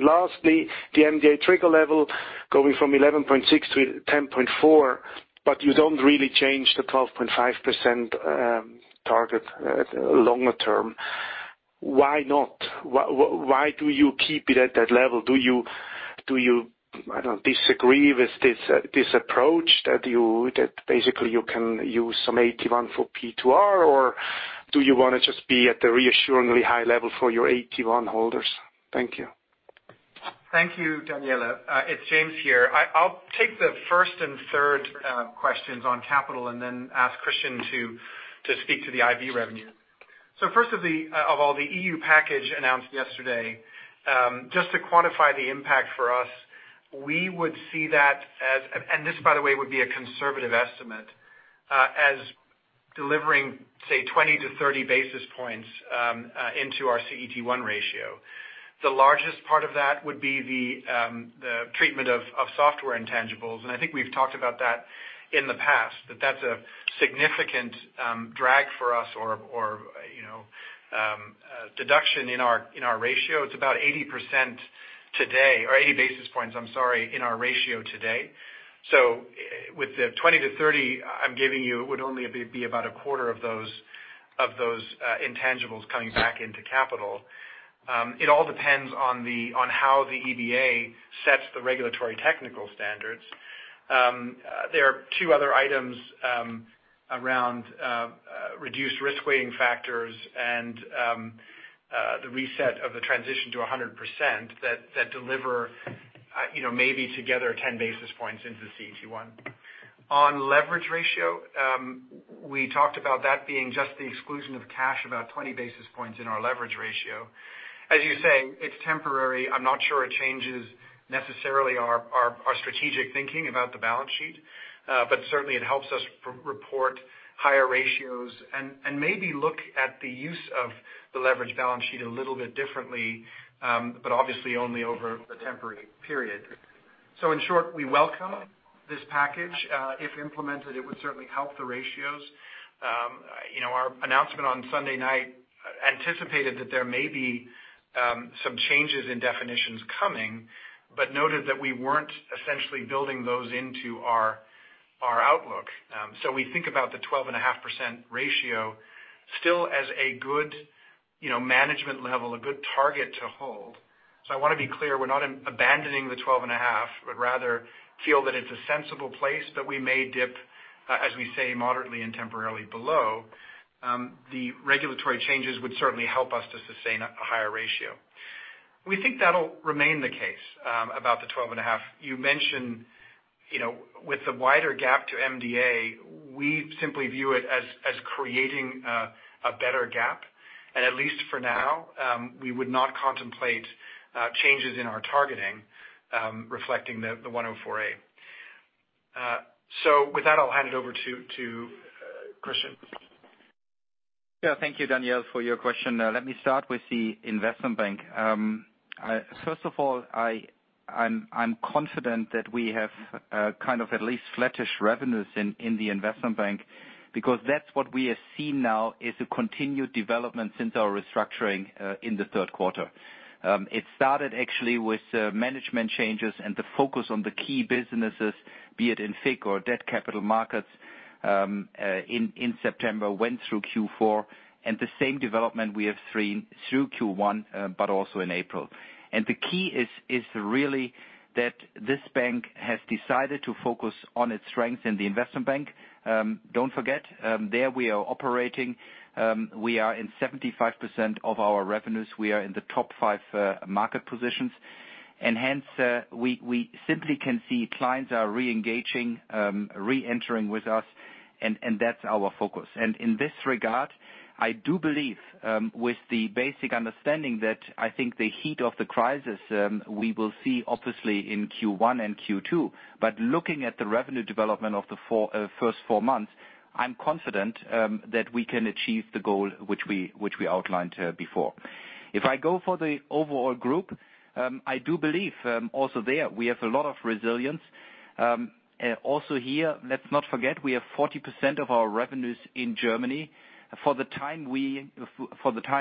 Lastly, the MDA trigger level going from 11.6 to 10.4, but you don't really change the 12.5% target longer term. Why not? Why do you keep it at that level? Do you disagree with this approach that basically you can use some AT1 for P2R, or do you want to just be at the reassuringly high level for your AT1 holders? Thank you. Thank you, Daniele. It's James here. I'll take the first and third questions on capital and then ask Christian to speak to the IB revenue. First of all, the EU package announced yesterday. Just to quantify the impact for us, we would see that as, and this, by the way, would be a conservative estimate, as delivering, say, 20-30 basis points into our CET1 ratio. The largest part of that would be the treatment of software intangibles, and I think we've talked about that in the past, that that's a significant drag for us or deduction in our ratio. It's about 80% today, or 80 basis points, I'm sorry, in our ratio today. With the 20-30 I'm giving you, it would only be about a quarter of those intangibles coming back into capital. It all depends on how the EBA sets the regulatory technical standards. There are two other items around reduced risk weighting factors and the reset of the transition to 100% that deliver maybe together 10 basis points into the CET1. On leverage ratio, we talked about that being just the exclusion of cash, about 20 basis points in our leverage ratio. As you say, it's temporary. I'm not sure it changes necessarily our strategic thinking about the balance sheet. Certainly, it helps us report higher ratios and maybe look at the use of the leverage balance sheet a little bit differently, but obviously only over a temporary period. In short, we welcome this package. If implemented, it would certainly help the ratios. Our announcement on Sunday night anticipated that there may be some changes in definitions coming, but noted that we weren't essentially building those into our outlook. We think about the 12.5% ratio still as a good management level, a good target to hold. I want to be clear, we're not abandoning the 12.5%, but rather feel that it's a sensible place that we may dip, as we say, moderately and temporarily below. The regulatory changes would certainly help us to sustain a higher ratio. We think that'll remain the case about the 12.5%. You mentioned with the wider gap to MDA, we simply view it as creating a better gap, and at least for now, we would not contemplate changes in our targeting reflecting the 104A. With that, I'll hand it over to Christian. Thank you, Daniele, for your question. Let me start with the investment bank. First of all, I'm confident that we have at least flattish revenues in the investment bank because that's what we have seen now, is a continued development since our restructuring in the third quarter. It started actually with management changes and the focus on the key businesses, be it in FICC or debt capital markets, in September, went through Q4, the same development we have seen through Q1, but also in April. The key is really that this bank has decided to focus on its strengths in the investment bank. Don't forget, there we are operating. We are in 75% of our revenues. We are in the top five market positions. Hence, we simply can see clients are re-engaging, re-entering with us, and that's our focus. In this regard, I do believe, with the basic understanding, that I think the heat of the crisis we will see obviously in Q1 and Q2. Looking at the revenue development of the first four months, I'm confident that we can achieve the goal which we outlined before. If I go for the overall group, I do believe also there we have a lot of resilience. Also here, let's not forget, we have 40% of our revenues in Germany. For the time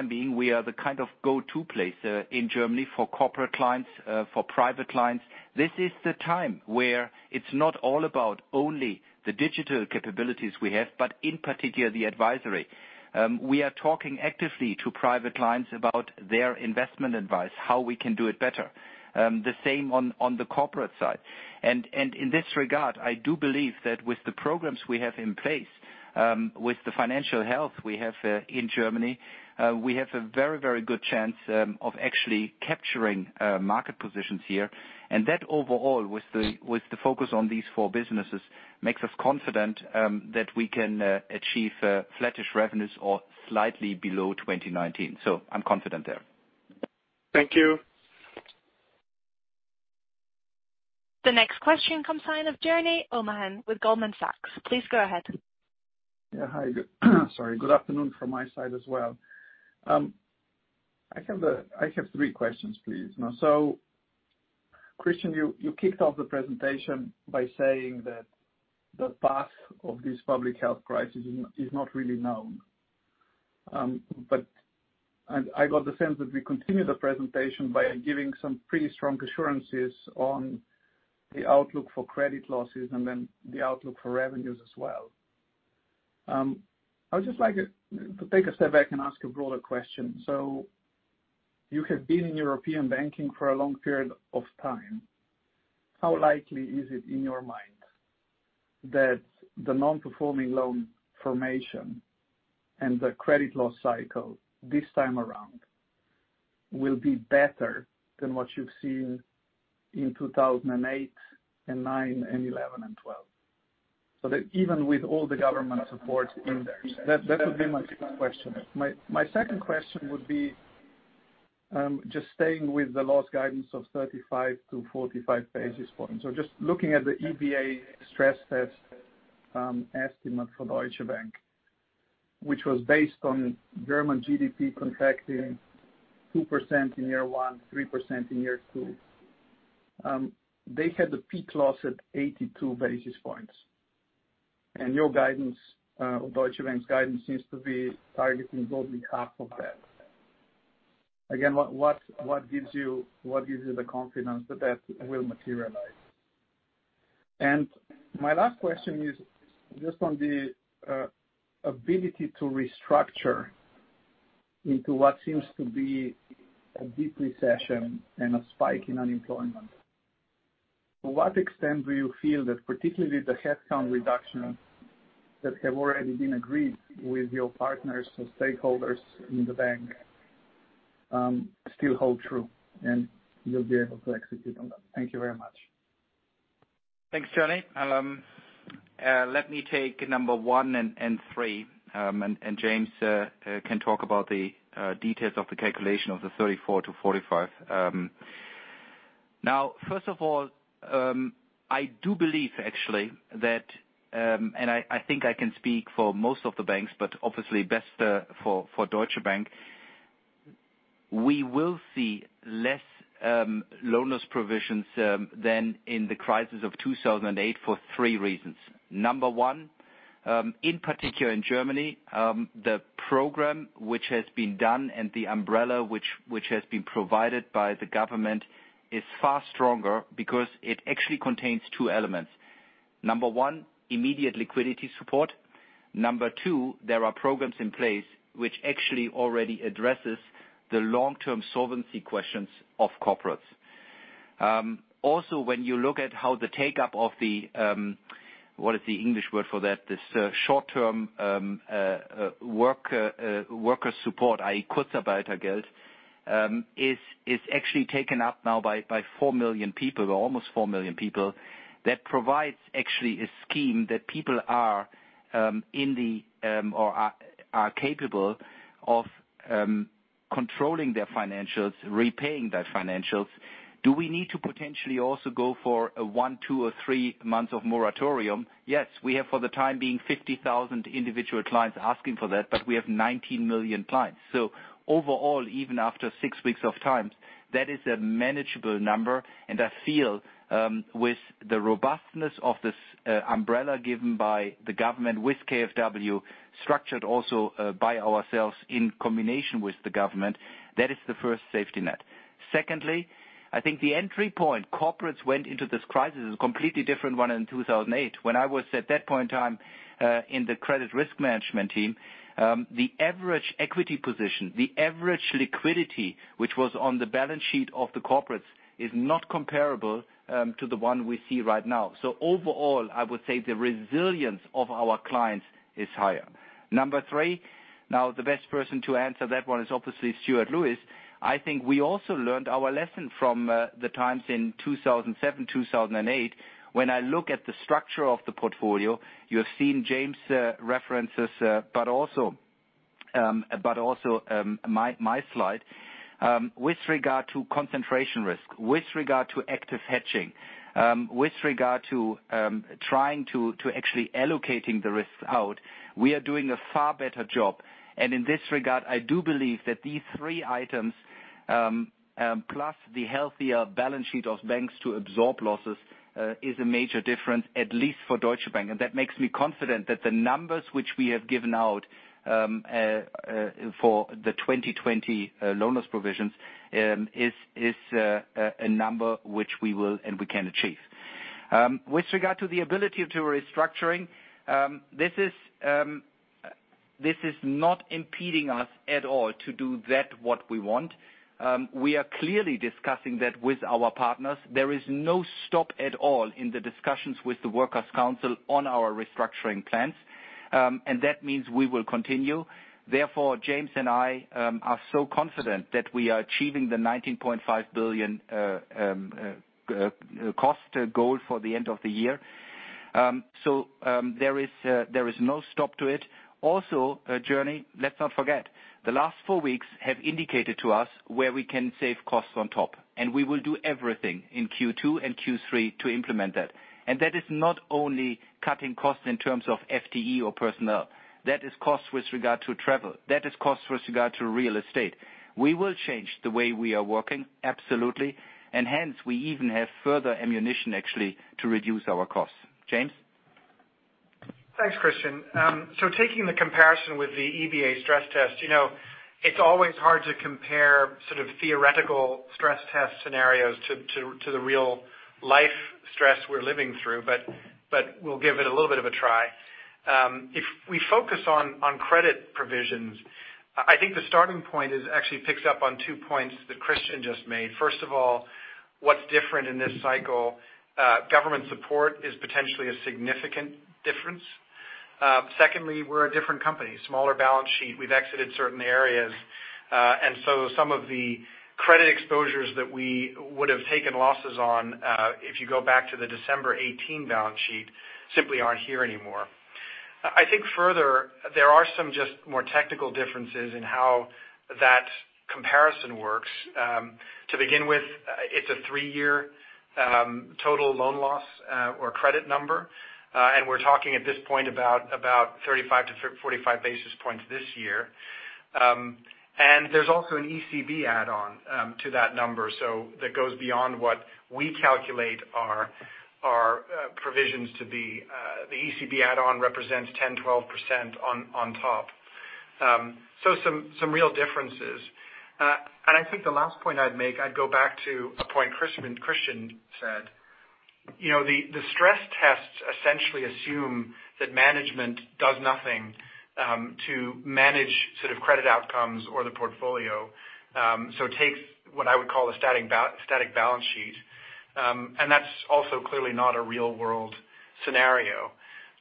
being, we are the go-to place in Germany for corporate clients, for private clients. This is the time where it's not all about only the digital capabilities we have, but in particular, the advisory. We are talking actively to private clients about their investment advice, how we can do it better. The same on the corporate side. In this regard, I do believe that with the programs we have in place, with the financial health we have in Germany, we have a very good chance of actually capturing market positions here. That overall, with the focus on these four businesses, makes us confident that we can achieve flattish revenues or slightly below 2019. I'm confident there. Thank you. The next question comes line of Jernej Omahen with Goldman Sachs. Please go ahead. Yeah. Hi. Sorry. Good afternoon from my side as well. I have three questions, please. Christian, you kicked off the presentation by saying that the path of this public health crisis is not really known. I got the sense that we continue the presentation by giving some pretty strong assurances on the outlook for credit losses and then the outlook for revenues as well. I would just like to take a step back and ask a broader question. You have been in European banking for a long period of time. How likely is it in your mind that the non-performing loan formation and the credit loss cycle this time around will be better than what you've seen in 2008 and 2009 and 2011 and 2012? Even with all the government support in there. That would be my first question. My second question would be, just staying with the loss guidance of 35 basis points-45 basis points, or just looking at the EBA stress test estimate for Deutsche Bank, which was based on German GDP contracting 2% in year one, 3% in year two. They had the peak loss at 82 basis points. Your guidance or Deutsche Bank's guidance seems to be targeting only half of that. Again, what gives you the confidence that that will materialize? My last question is just on the ability to restructure into what seems to be a deep recession and a spike in unemployment. To what extent do you feel that particularly the headcount reduction that have already been agreed with your partners or stakeholders in the bank still hold true and you'll be able to execute on that? Thank you very much. Thanks, Jernej. Let me take number one and three, James can talk about the details of the calculation of the 34-45. First of all, I do believe actually that I think I can speak for most of the banks, but obviously best for Deutsche Bank. We will see less loan loss provisions than in the crisis of 2008 for three reasons. Number one, in particular in Germany, the program which has been done and the umbrella which has been provided by the government is far stronger because it actually contains two elements. Number one, immediate liquidity support. Number two, there are programs in place which actually already addresses the long-term solvency questions of corporates. When you look at how the take-up of the, what is the English word for that? This short-term worker support, i.e. Kurzarbeitergeld is actually taken up now by 4 million people, or almost 4 million people. That provides actually a scheme that people are capable of controlling their financials, repaying their financials. Do we need to potentially also go for a one, two, or three months of moratorium? Yes. We have, for the time being, 50,000 individual clients asking for that, but we have 19 million clients. Overall, even after six weeks of times, that is a manageable number, and I feel with the robustness of this umbrella given by the government with KfW, structured also by ourselves in combination with the government, that is the first safety net. Secondly, I think the entry point corporates went into this crisis is a completely different one in 2008. When I was at that point in time in the credit risk management team, the average equity position, the average liquidity, which was on the balance sheet of the corporates, is not comparable to the one we see right now. Overall, I would say the resilience of our clients is higher. Number three, the best person to answer that one is obviously Stuart Lewis. I think we also learned our lesson from the times in 2007, 2008. When I look at the structure of the portfolio, you have seen James references but also my slide. With regard to concentration risk, with regard to active hedging, with regard to trying to actually allocating the risks out, we are doing a far better job. In this regard, I do believe that these three items, plus the healthier balance sheet of banks to absorb losses, is a major difference, at least for Deutsche Bank. That makes me confident that the numbers which we have given out for the 2020 loan loss provisions is a number which we will and we can achieve. With regard to the ability to restructuring, this is not impeding us at all to do that what we want. We are clearly discussing that with our partners. There is no stop at all in the discussions with the Workers Council on our restructuring plans. That means we will continue. Therefore, James and I are so confident that we are achieving the 19.5 billion cost goal for the end of the year. There is no stop to it. Jernej, let's not forget. The last four weeks have indicated to us where we can save costs on top, and we will do everything in Q2 and Q3 to implement that. That is not only cutting costs in terms of FTE or personnel. That is cost with regard to travel. That is cost with regard to real estate. We will change the way we are working, absolutely, and hence we even have further ammunition actually to reduce our costs. James? Thanks, Christian. Taking the comparison with the EBA stress test, it's always hard to compare theoretical stress test scenarios to the real-life stress we're living through, but we'll give it a little bit of a try. If we focus on credit provisions, I think the starting point actually picks up on two points that Christian just made. First of all, what's different in this cycle, government support is potentially a significant difference. Secondly, we're a different company. Smaller balance sheet. We've exited certain areas. Some of the credit exposures that we would have taken losses on, if you go back to the December 2018 balance sheet, simply aren't here anymore. I think further, there are some just more technical differences in how that comparison works. To begin with, it's a three-year total loan loss or credit number. We're talking at this point about 35-45 basis points this year. There's also an ECB add-on to that number, so that goes beyond what we calculate our provisions to be. The ECB add-on represents 10, 12% on top. Some real differences. I think the last point I'd make, I'd go back to a point Christian said. The stress tests essentially assume that management does nothing to manage credit outcomes or the portfolio. It takes what I would call a static balance sheet. That's also clearly not a real-world scenario.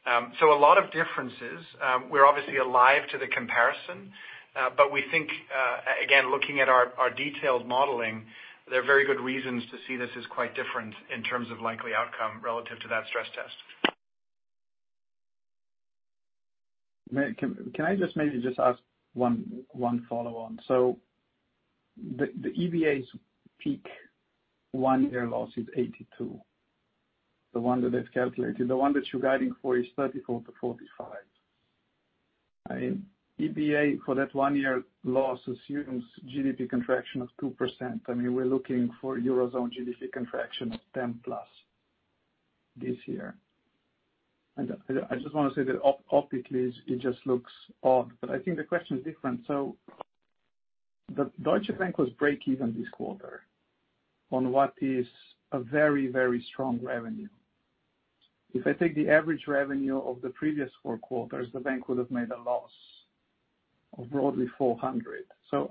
A lot of differences. We're obviously alive to the comparison. We think, again, looking at our detailed modeling, there are very good reasons to see this as quite different in terms of likely outcome relative to that stress test. Can I just maybe just ask one follow-on? The EBA's peak one year loss is 82. The one that they've calculated. The one that you're guiding for is 34-45. EBA for that one year loss assumes GDP contraction of 2%. We're looking for Euro zone GDP contraction of 10%+ this year. I just want to say that optically it just looks odd. I think the question is different. Deutsche Bank was break-even this quarter on what is a very, very strong revenue. If I take the average revenue of the previous four quarters, the bank would have made a loss of broadly 400.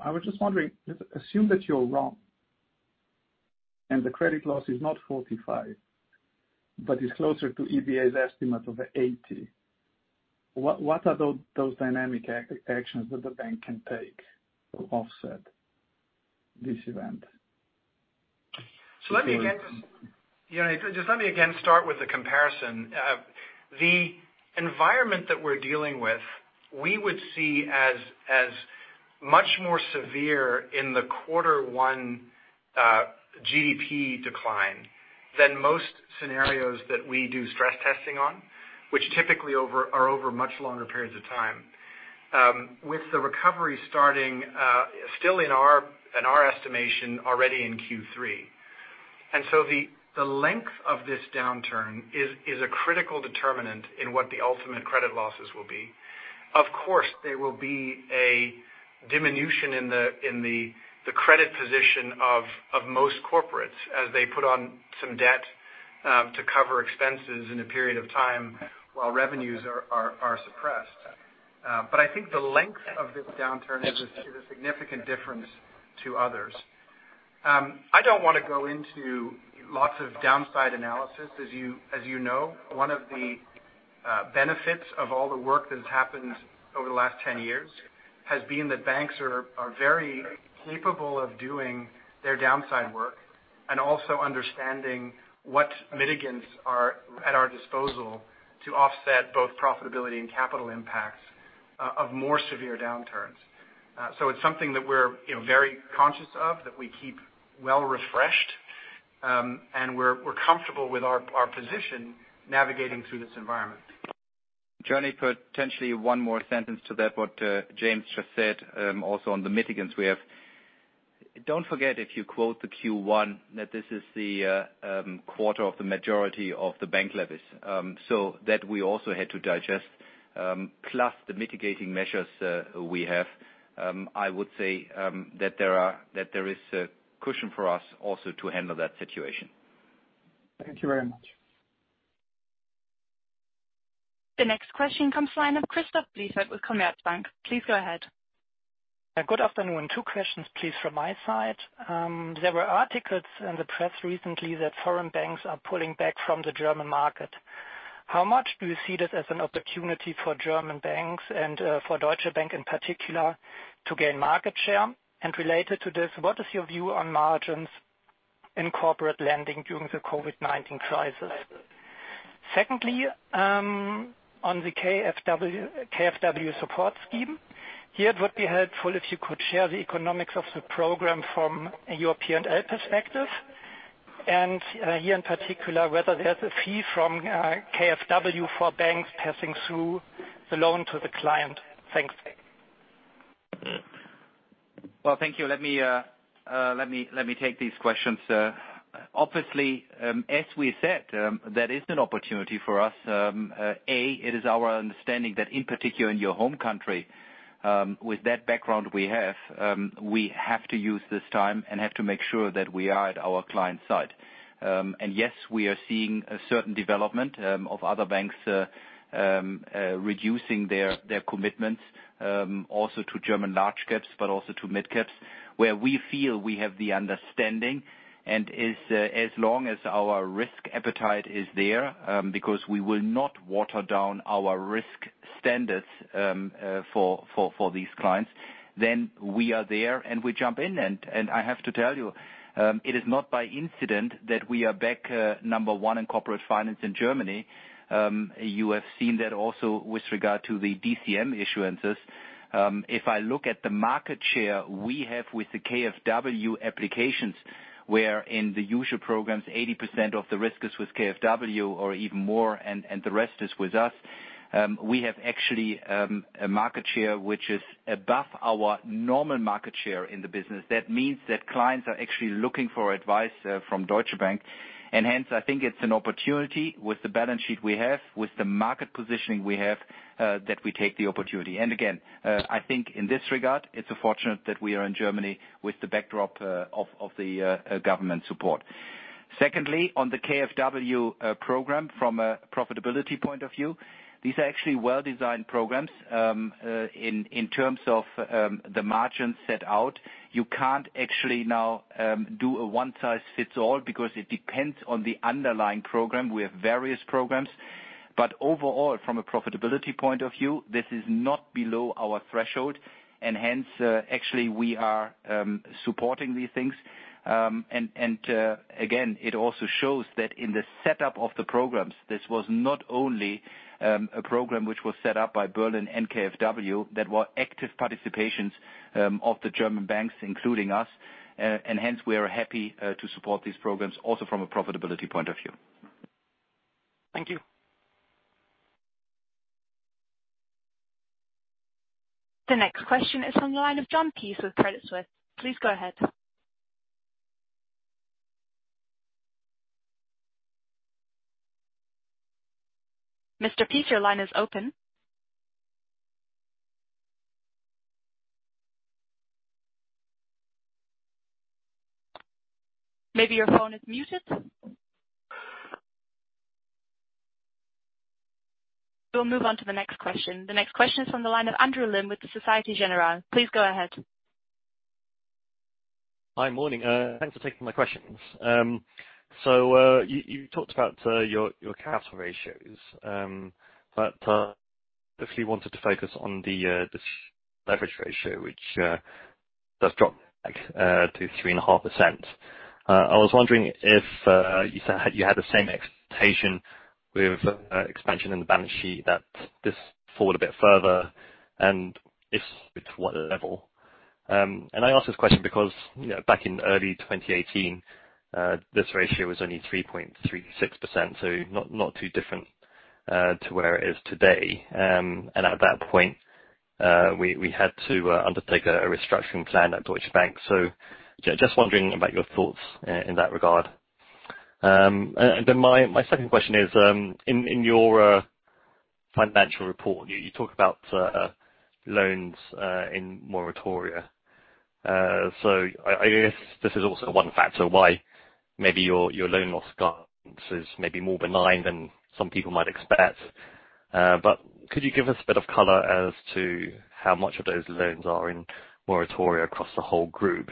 I was just wondering, assume that you're wrong and the credit loss is not 45, but is closer to EBA's estimate of 80. What are those dynamic actions that the bank can take to offset this event? Let me again start with the comparison. The environment that we're dealing with, we would see as much more severe in the quarter one GDP decline than most scenarios that we do stress testing on, which typically are over much longer periods of time, with the recovery starting, still in our estimation already in Q3. The length of this downturn is a critical determinant in what the ultimate credit losses will be. Of course, there will be a diminution in the credit position of most corporates as they put on some debt to cover expenses in a period of time while revenues are suppressed. I think the length of this downturn is a significant difference to others. I don't want to go into lots of downside analysis. As you know, one of the benefits of all the work that has happened over the last 10 years has been that banks are very capable of doing their downside work and also understanding what mitigants are at our disposal to offset both profitability and capital impacts of more severe downturns. It's something that we're very conscious of, that we keep well-refreshed, and we're comfortable with our position navigating through this environment. Jernej, potentially one more sentence to that what James just said. On the mitigants we have. Don't forget if you quote the Q1, that this is the quarter of the majority of the bank levies. That we also had to digest, plus the mitigating measures we have. I would say that there is a cushion for us also to handle that situation. Thank you very much. The next question comes line of Christoph Blieffert with Commerzbank. Please go ahead. Good afternoon. Two questions please from my side. There were articles in the press recently that foreign banks are pulling back from the German market. How much do you see this as an opportunity for German banks and for Deutsche Bank in particular to gain market share? Related to this, what is your view on margins in corporate lending during the COVID-19 crisis? Secondly, on the KfW support scheme. Here it would be helpful if you could share the economics of the program from a European level perspective, and here in particular, whether there's a fee from KfW for banks passing through the loan to the client. Thanks. Well, thank you. Let me take these questions. Obviously, as we said, that is an opportunity for us. It is our understanding that in particular in your home country, with that background we have, we have to use this time and have to make sure that we are at our client side. Yes, we are seeing a certain development of other banks reducing their commitments also to German large caps, but also to mid caps, where we feel we have the understanding and as long as our risk appetite is there, because we will not water down our risk standards for these clients, then we are there and we jump in. I have to tell you, it is not by incident that we are back number one in corporate finance in Germany. You have seen that also with regard to the DCM issuances. If I look at the market share we have with the KfW applications, where in the usual programs, 80% of the risk is with KfW or even more and the rest is with us. We have actually a market share which is above our normal market share in the business. That means that clients are actually looking for advice from Deutsche Bank, hence, I think it's an opportunity with the balance sheet we have, with the market positioning we have, that we take the opportunity. Again, I think in this regard, it's fortunate that we are in Germany with the backdrop of the government support. Secondly, on the KfW program from a profitability point of view, these are actually well-designed programs in terms of the margins set out. You can't actually now do a one size fits all because it depends on the underlying program. We have various programs. Overall, from a profitability point of view, this is not below our threshold and hence, actually we are supporting these things. Again, it also shows that in the setup of the programs, this was not only a program which was set up by Berlin and KfW that were active participations of the German banks, including us. Hence we are happy to support these programs also from a profitability point of view. Thank you. The next question is from the line of Jon Peace with Credit Suisse. Please go ahead. Mr. Peace, your line is open. Maybe your phone is muted. We'll move on to the next question. The next question is from the line of Andrew Lim with the Societe Generale. Please go ahead. Hi, morning. Thanks for taking my questions. You talked about your capital ratios. I specifically wanted to focus on the leverage ratio, which does drop back to 3.5%. I was wondering if you had the same expectation with expansion in the balance sheet that this forward a bit further and if, to what level. I ask this question because back in early 2018, this ratio was only 3.36%, so not too different to where it is today. At that point, we had to undertake a restructuring plan at Deutsche Bank. Just wondering about your thoughts in that regard. My second question is, in your financial report, you talk about loans in moratoria. I guess this is also one factor why maybe your loan loss guidance is maybe more benign than some people might expect. Could you give us a bit of color as to how much of those loans are in moratoria across the whole group?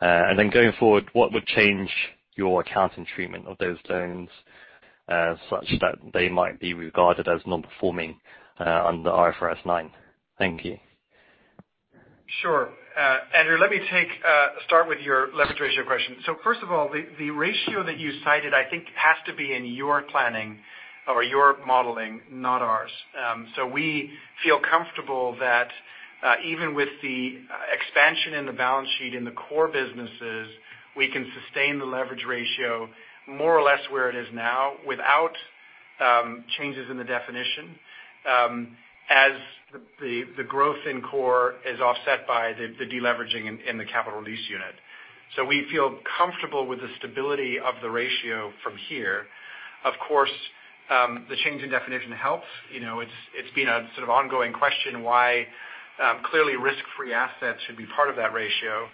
Going forward, what would change your accounting treatment of those loans, such that they might be regarded as non-performing under IFRS 9? Thank you. Sure. Andrew, let me start with your leverage ratio question. First of all, the ratio that you cited, I think has to be in your planning or your modeling, not ours. We feel comfortable that even with the expansion in the balance sheet in the core businesses, we can sustain the leverage ratio more or less where it is now without changes in the definition as the growth in core is offset by the de-leveraging in the Capital Release Unit. We feel comfortable with the stability of the ratio from here. Of course, the change in definition helps. It's been a sort of ongoing question why clearly risk-free assets should be part of that ratio.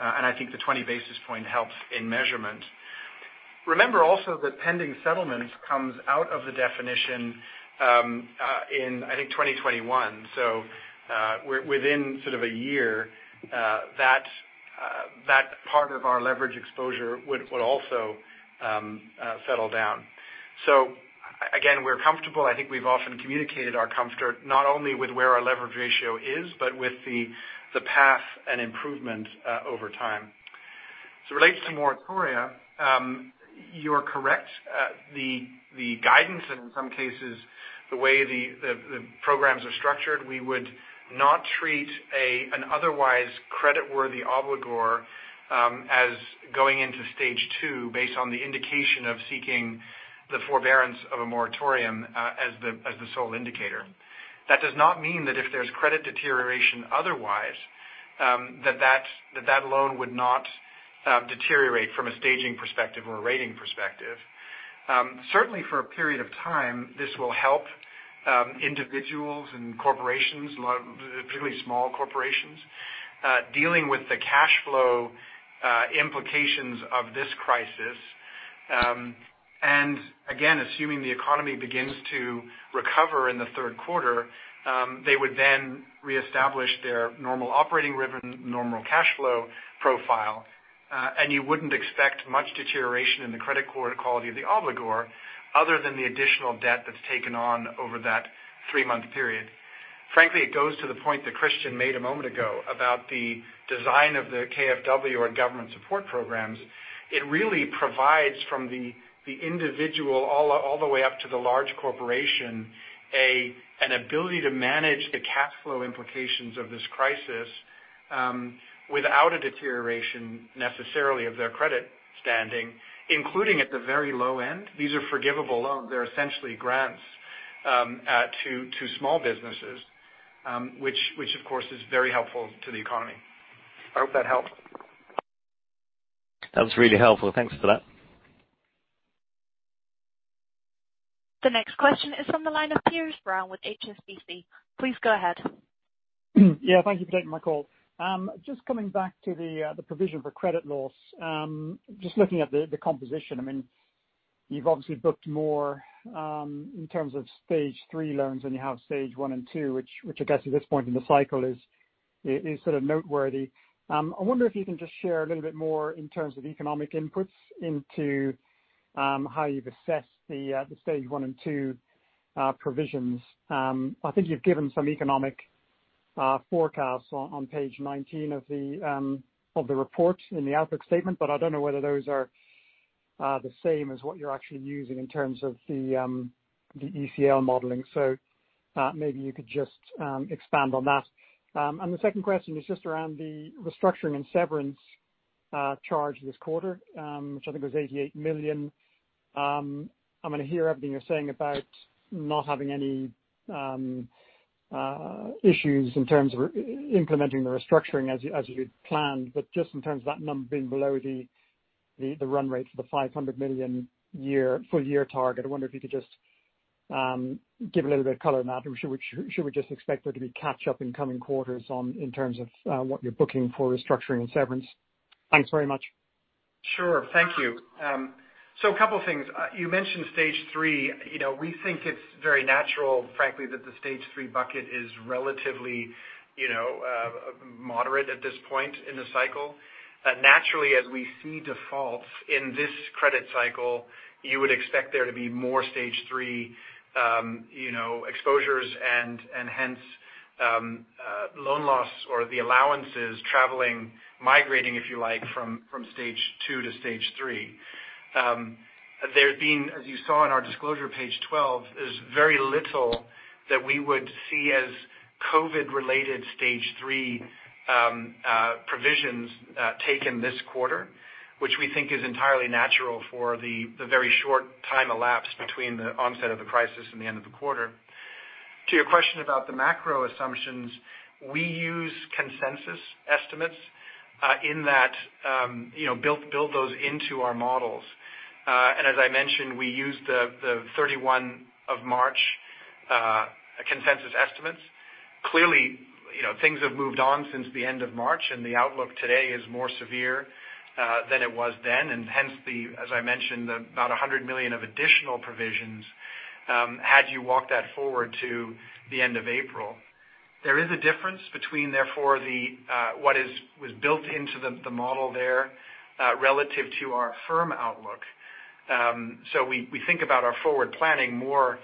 I think the 20 basis point helps in measurement. Remember also that pending settlements comes out of the definition in, I think, 2021. Within sort of a year, that part of our leverage exposure would also settle down. Again, we're comfortable. I think we've often communicated our comfort, not only with where our leverage ratio is, but with the path and improvement over time. Relates to moratoria, you're correct. The guidance, and in some cases, the way the programs are structured, we would not treat an otherwise creditworthy obligor as going into Stage 2 based on the indication of seeking the forbearance of a moratorium as the sole indicator. That does not mean that if there's credit deterioration otherwise, that that loan would not deteriorate from a staging perspective or a rating perspective. Certainly for a period of time, this will help individuals and corporations, particularly small corporations, dealing with the cash flow implications of this crisis. Again, assuming the economy begins to recover in the third quarter, they would then reestablish their normal operating rhythm, normal cash flow profile, and you wouldn't expect much deterioration in the credit quality of the obligor other than the additional debt that's taken on over that three-month period. Frankly, it goes to the point that Christian made a moment ago about the design of the KfW or government support programs. It really provides from the individual all the way up to the large corporation, an ability to manage the cash flow implications of this crisis without a deterioration necessarily of their credit standing, including at the very low end. These are forgivable loans. They're essentially grants to small businesses, which of course is very helpful to the economy. I hope that helped. That was really helpful. Thanks for that. The next question is from the line of Piers Brown with HSBC. Please go ahead. Thank you for taking my call. Coming back to the provision for credit loss. Looking at the composition. You've obviously booked more in terms of Stage 3 loans than you have Stage 1 and 2, which I guess at this point in the cycle is sort of noteworthy. I wonder if you can just share a little bit more in terms of economic inputs into how you've assessed the Stage 1 and 2 provisions. I think you've given some economic forecasts on page 19 of the report in the outlook statement, I don't know whether those are the same as what you're actually using in terms of the ECL modeling. Maybe you could just expand on that. The second question is just around the restructuring and severance charge this quarter, which I think was 88 million. I'm going to hear everything you're saying about not having any issues in terms of implementing the restructuring as you had planned, but just in terms of that number being below the run rate for the 500 million full-year target. I wonder if you could just give a little bit of color on that, or should we just expect there to be catch-up in coming quarters in terms of what you're booking for restructuring and severance? Thanks very much. Sure. Thank you. A couple things. You mentioned Stage 3. We think it's very natural, frankly, that the Stage 3 bucket is relatively moderate at this point in the cycle. Naturally, as we see defaults in this credit cycle, you would expect there to be more Stage 3 exposures and hence, loan loss or the allowances traveling, migrating, if you like, from Stage 2 to Stage 3. There's been, as you saw in our disclosure, page 12, is very little that we would see as COVID-related Stage 3 provisions taken this quarter, which we think is entirely natural for the very short time elapsed between the onset of the crisis and the end of the quarter. To your question about the macro assumptions, we use consensus estimates in that build those into our models. As I mentioned, we use the 31 of March consensus estimates. Clearly, things have moved on since the end of March. The outlook today is more severe than it was then. Hence, as I mentioned, about 100 million of additional provisions, had you walked that forward to the end of April. There is a difference between, therefore, what was built into the model there relative to our firm outlook. We think about our forward planning more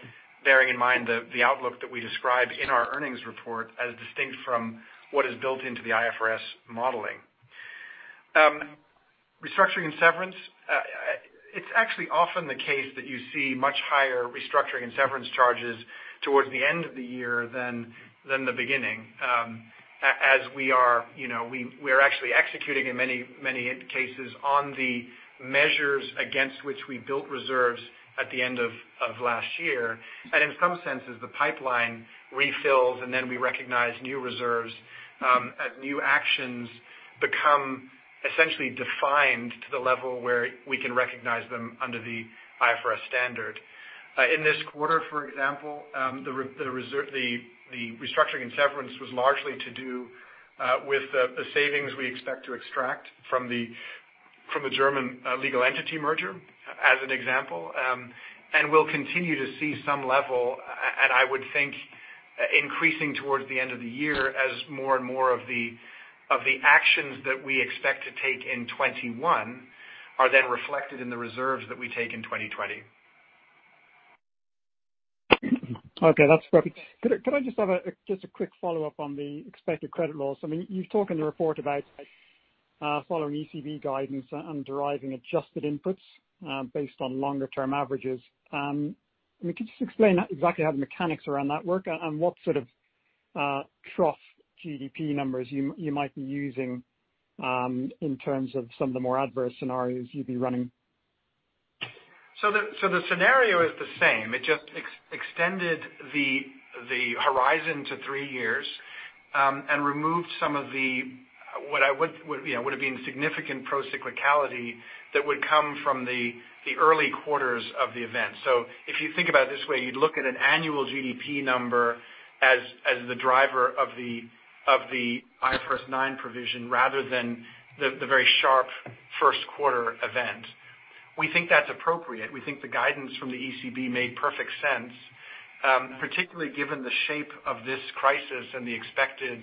bearing in mind the outlook that we describe in our earnings report as distinct from what is built into the IFRS modeling. Restructuring and severance, it's actually often the case that you see much higher restructuring and severance charges towards the end of the year than the beginning. As we are actually executing in many cases on the measures against which we built reserves at the end of last year. In some senses, the pipeline refills, and then we recognize new reserves as new actions become essentially defined to the level where we can recognize them under the IFRS standard. In this quarter, for example, the restructuring and severance was largely to do with the savings we expect to extract from the German legal entity merger, as an example. We'll continue to see some level, and I would think increasing towards the end of the year as more and more of the actions that we expect to take in 2021 are then reflected in the reserves that we take in 2020. Okay, that's perfect. Could I just have a quick follow-up on the expected credit loss? I mean, you talk in the report about following ECB guidance and deriving adjusted inputs based on longer-term averages. Can you just explain exactly how the mechanics around that work and what sort of trough GDP numbers you might be using in terms of some of the more adverse scenarios you'd be running? The scenario is the same. It just extended the horizon to three years and removed some of what would have been significant pro-cyclicality that would come from the early quarters of the event. If you think about it this way, you'd look at an annual GDP number as the driver of the IFRS 9 provision rather than the very sharp first quarter event. We think that's appropriate. We think the guidance from the ECB made perfect sense, particularly given the shape of this crisis and the expected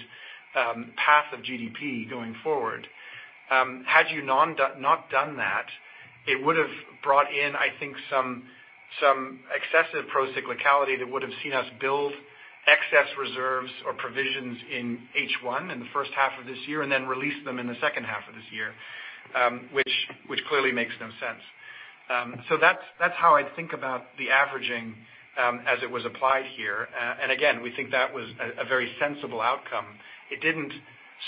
path of GDP going forward. Had you not done that, it would have brought in, I think, some excessive pro-cyclicality that would have seen us build excess reserves or provisions in H1 in the first half of this year, and then release them in the H2 of this year, which clearly makes no sense. That's how I think about the averaging as it was applied here. Again, we think that was a very sensible outcome. It didn't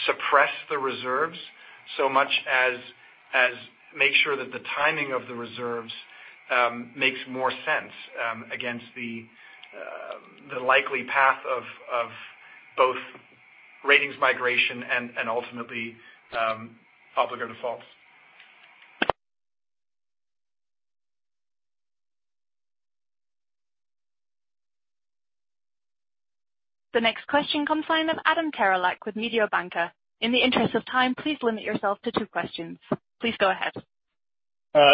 suppress the reserves so much as make sure that the timing of the reserves makes more sense against the likely path of both ratings migration and ultimately obligor defaults. The next question comes line of Adam Terelak with Mediobanca. In the interest of time, please limit yourself to two questions. Please go ahead.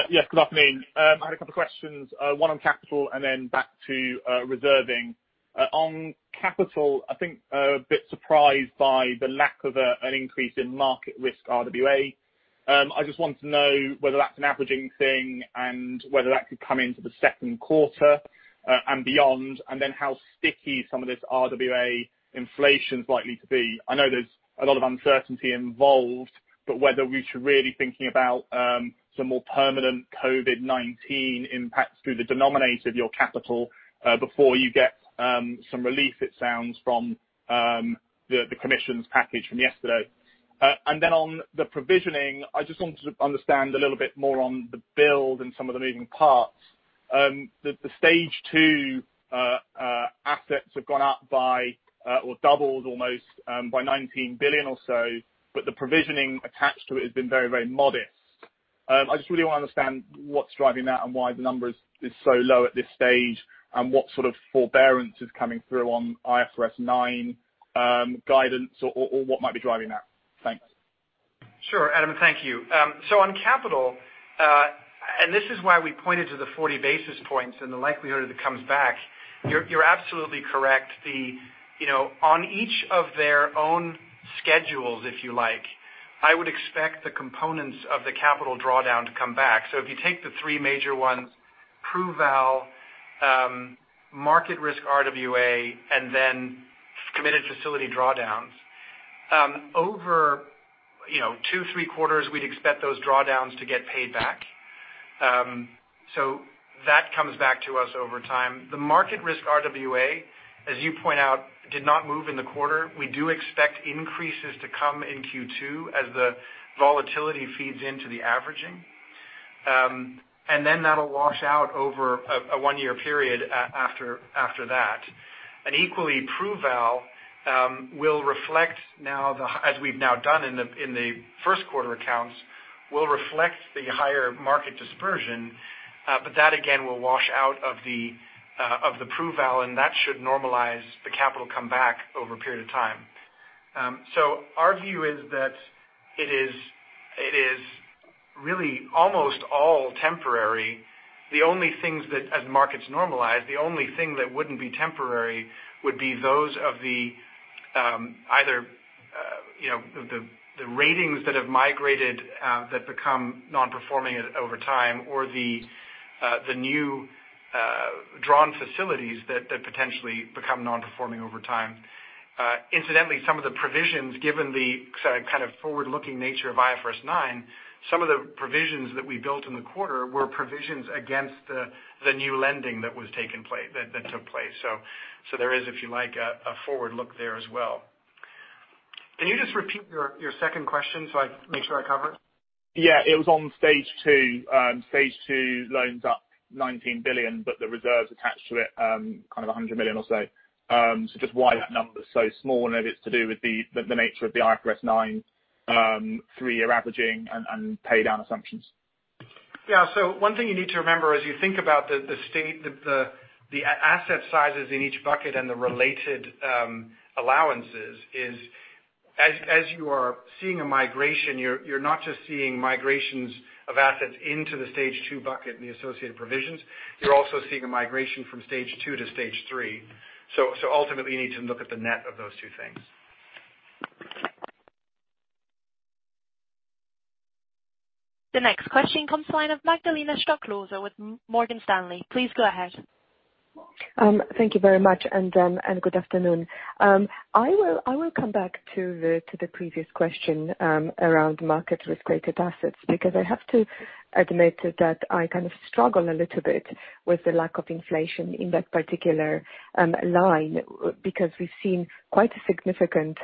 Yes, good afternoon. I had a couple questions, one on capital and then back to reserving. On capital, I think a bit surprised by the lack of an increase in market risk RWA. I just wanted to know whether that's an averaging thing and whether that could come into the second quarter and beyond, and then how sticky some of this RWA inflation's likely to be. I know there's a lot of uncertainty involved, but whether we should really thinking about some more permanent COVID-19 impacts through the denominator of your capital before you get some relief it sounds from the commission's package from yesterday. On the provisioning, I just wanted to understand a little bit more on the build and some of the moving parts. The Stage 2 assets have gone up or doubled almost by 19 billion or so, but the provisioning attached to it has been very modest. I just really want to understand what's driving that and why the number is so low at this stage, and what sort of forbearance is coming through on IFRS 9 guidance or what might be driving that. Thanks. Sure, Adam. Thank you. On capital, and this is why we pointed to the 40 basis points and the likelihood it comes back, you're absolutely correct. On each of their own schedules, if you like, I would expect the components of the capital drawdown to come back. If you take the three major ones, PruVal, market risk RWA, and then committed facility drawdowns. Over two, three quarters, we'd expect those drawdowns to get paid back. That comes back to us over time. The market risk RWA, as you point out, did not move in the quarter. We do expect increases to come in Q2 as the volatility feeds into the averaging. That'll wash out over a one-year period after that. Equally, PruVal will reflect now, as we've now done in the first quarter accounts, will reflect the higher market dispersion, but that again, will wash out of the PruVal, and that should normalize the capital come back over a period of time. Our view is that it is really almost all temporary. As markets normalize, the only thing that wouldn't be temporary would be those of the ratings that have migrated, that become non-performing over time, or the new drawn facilities that potentially become non-performing over time. Incidentally, some of the provisions, given the kind of forward-looking nature of IFRS 9, some of the provisions that we built in the quarter were provisions against the new lending that took place. There is, if you like, a forward look there as well. Can you just repeat your second question so I make sure I cover it? It was on Stage 2. Stage 2 loans up 19 billion, the reserves attached to it, kind of 100 million or so. Just why that number is so small, and if it's to do with the nature of the IFRS 9 three-year averaging and pay down assumptions? Yeah. One thing you need to remember as you think about the asset sizes in each bucket and the related allowances is, as you are seeing a migration, you're not just seeing migrations of assets into the Stage 2 bucket and the associated provisions, you're also seeing a migration from Stage 2 to Stage 3. Ultimately, you need to look at the net of those two things. The next question comes the line of Magdalena Stoklosa with Morgan Stanley. Please go ahead. Thank you very much, and good afternoon. I will come back to the previous question around market risk-weighted assets. I have to admit that I kind of struggle a little bit with the lack of inflation in that particular line, because we've seen quite a significant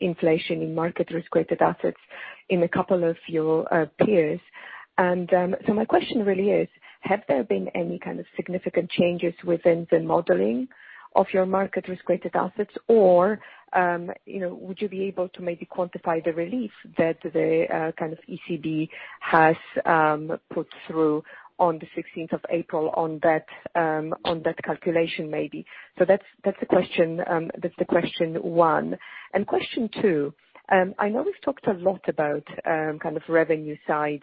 inflation in market risk-weighted assets in a couple of your peers. My question really is, have there been any kind of significant changes within the modeling of your market risk-weighted assets? Or would you be able to maybe quantify the relief that the kind of ECB has put through on the 16th of April on that calculation, maybe? That's the question one. Question two, I know we've talked a lot about kind of revenue side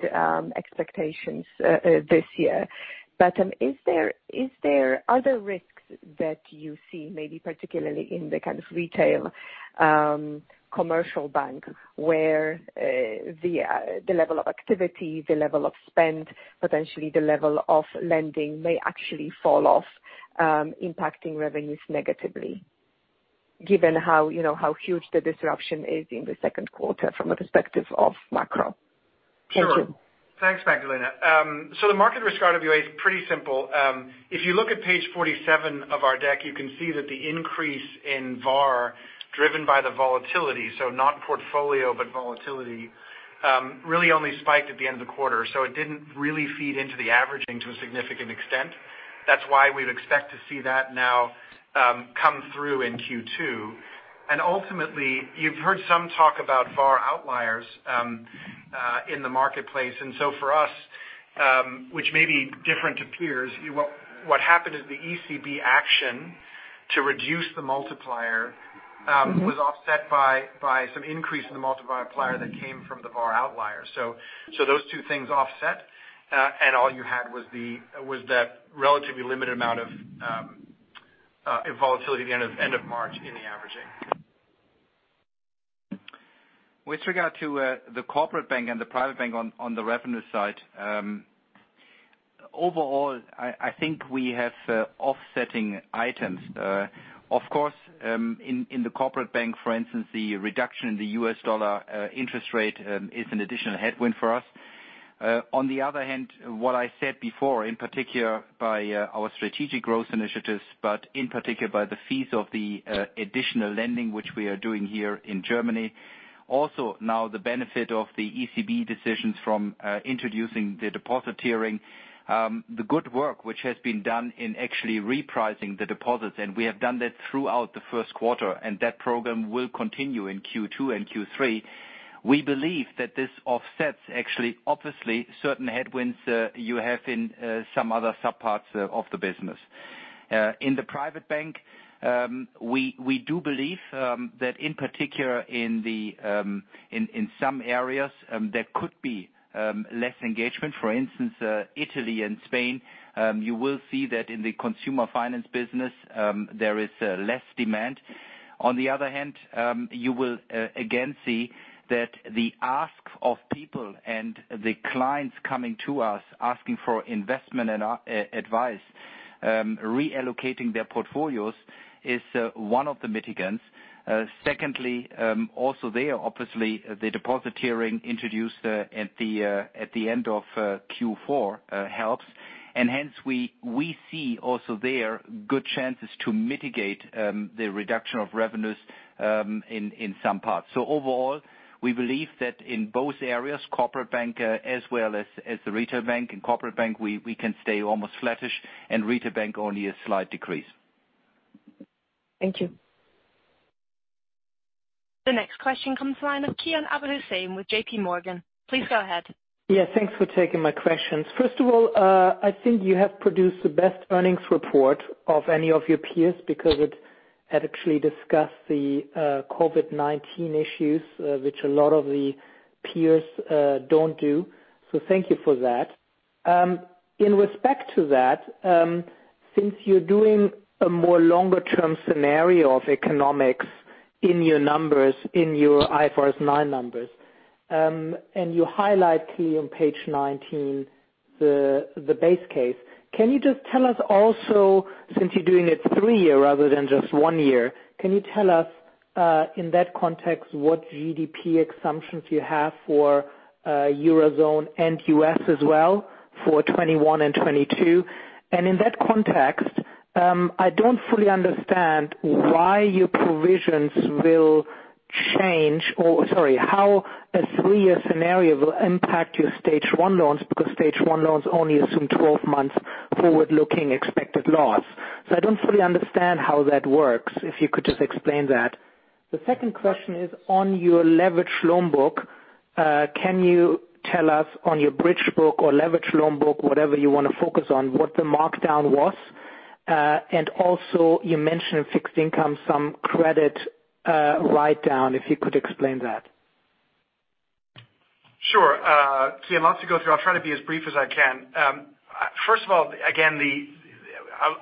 expectations this year. Is there other risks that you see, maybe particularly in the kind of retail commercial bank, where the level of activity, the level of spend, potentially the level of lending may actually fall off, impacting revenues negatively given how huge the disruption is in the second quarter from a perspective of macro? Thank you. Sure. Thanks, Magdalena. The market risk RWA is pretty simple. If you look at page 47 of our deck, you can see that the increase in VaR driven by the volatility, so not portfolio but volatility, really only spiked at the end of the quarter. It didn't really feed into the averaging to a significant extent. That's why we'd expect to see that now come through in Q2. Ultimately, you've heard some talk about VaR outliers in the marketplace. For us, which may be different to peers, what happened is the ECB action to reduce the multiplier was offset by some increase in the multiplier that came from the VaR outlier. Those two things offset, and all you had was that relatively limited amount of volatility at the end of March in the averaging. With regard to the corporate bank and the private bank on the revenue side, overall, I think we have offsetting items. Of course, in the corporate bank, for instance, the reduction in the US dollar interest rate is an additional headwind for us. On the other hand, what I said before, in particular by our strategic growth initiatives, but in particular by the fees of the additional lending, which we are doing here in Germany. Also now the benefit of the ECB decisions from introducing the deposit tiering. The good work which has been done in actually repricing the deposits, and we have done that throughout the first quarter, and that program will continue in Q2 and Q3. We believe that this offsets actually, obviously, certain headwinds you have in some other sub-parts of the business. In the private bank, we do believe that in particular in some areas there could be less engagement. For instance, Italy and Spain, you will see that in the consumer finance business, there is less demand. On the other hand, you will again see that the ask of people and the clients coming to us asking for investment and advice, reallocating their portfolios is one of the mitigants. Also there, obviously, the deposit tiering introduced at the end of Q4 helps, and hence we see also there good chances to mitigate the reduction of revenues in some parts. Overall, we believe that in both areas, corporate bank as well as the retail bank. In corporate bank, we can stay almost flattish and retail bank only a slight decrease. Thank you. The next question comes the line of Kian Abouhossein with J.P. Morgan. Please go ahead. Yeah. Thanks for taking my questions. First of all, I think you have produced the best earnings report of any of your peers because it had actually discussed the COVID-19 issues, which a lot of the peers don't do. Thank you for that. In respect to that, since you're doing a more longer-term scenario of economics in your numbers, in your IFRS 9 numbers, and you highlight here on page 19 the base case. Can you just tell us also, since you're doing it three year rather than just one year, can you tell us, in that context, what GDP assumptions you have for Eurozone and U.S. as well for 2021 and 2022? In that context, I don't fully understand why your provisions will change or, sorry, how a three-year scenario will impact your Stage 1 loans because Stage 1 loans only assume 12 months forward-looking expected loss. I don't fully understand how that works, if you could just explain that. The second question is on your leverage loan book. Can you tell us on your bridge book or leverage loan book, whatever you want to focus on, what the markdown was? Also you mentioned fixed income, some credit write-down, if you could explain that. Sure. Kian, lots to go through. I'll try to be as brief as I can. First of all, again,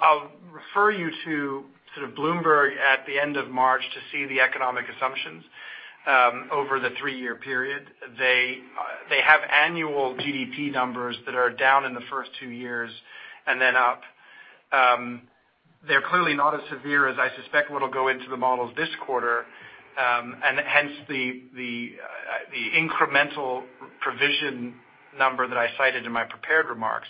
I'll refer you to sort of Bloomberg at the end of March to see the economic assumptions over the three-year period. They have annual GDP numbers that are down in the first two years and then up. Hence the incremental provision number that I cited in my prepared remarks.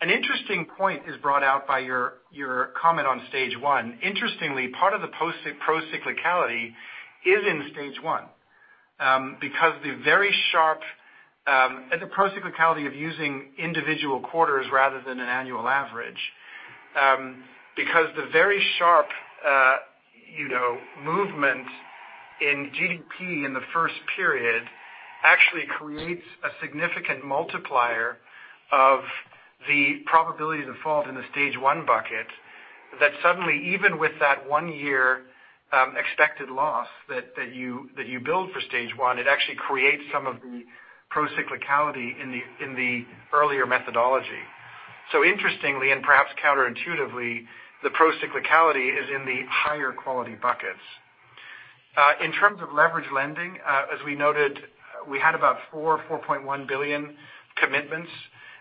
An interesting point is brought out by your comment on Stage 1. Interestingly, part of the pro-cyclicality is in Stage 1, the pro-cyclicality of using individual quarters rather than an annual average. The very sharp movement in GDP in the first period actually creates a significant multiplier of the probability default in the Stage 1 bucket, that suddenly even with that one year expected loss that you build for Stage 1, it actually creates some of the pro-cyclicality in the earlier methodology. Interestingly, and perhaps counterintuitively, the pro-cyclicality is in the higher quality buckets. In terms of leverage lending, as we noted, we had about 4.1 billion commitments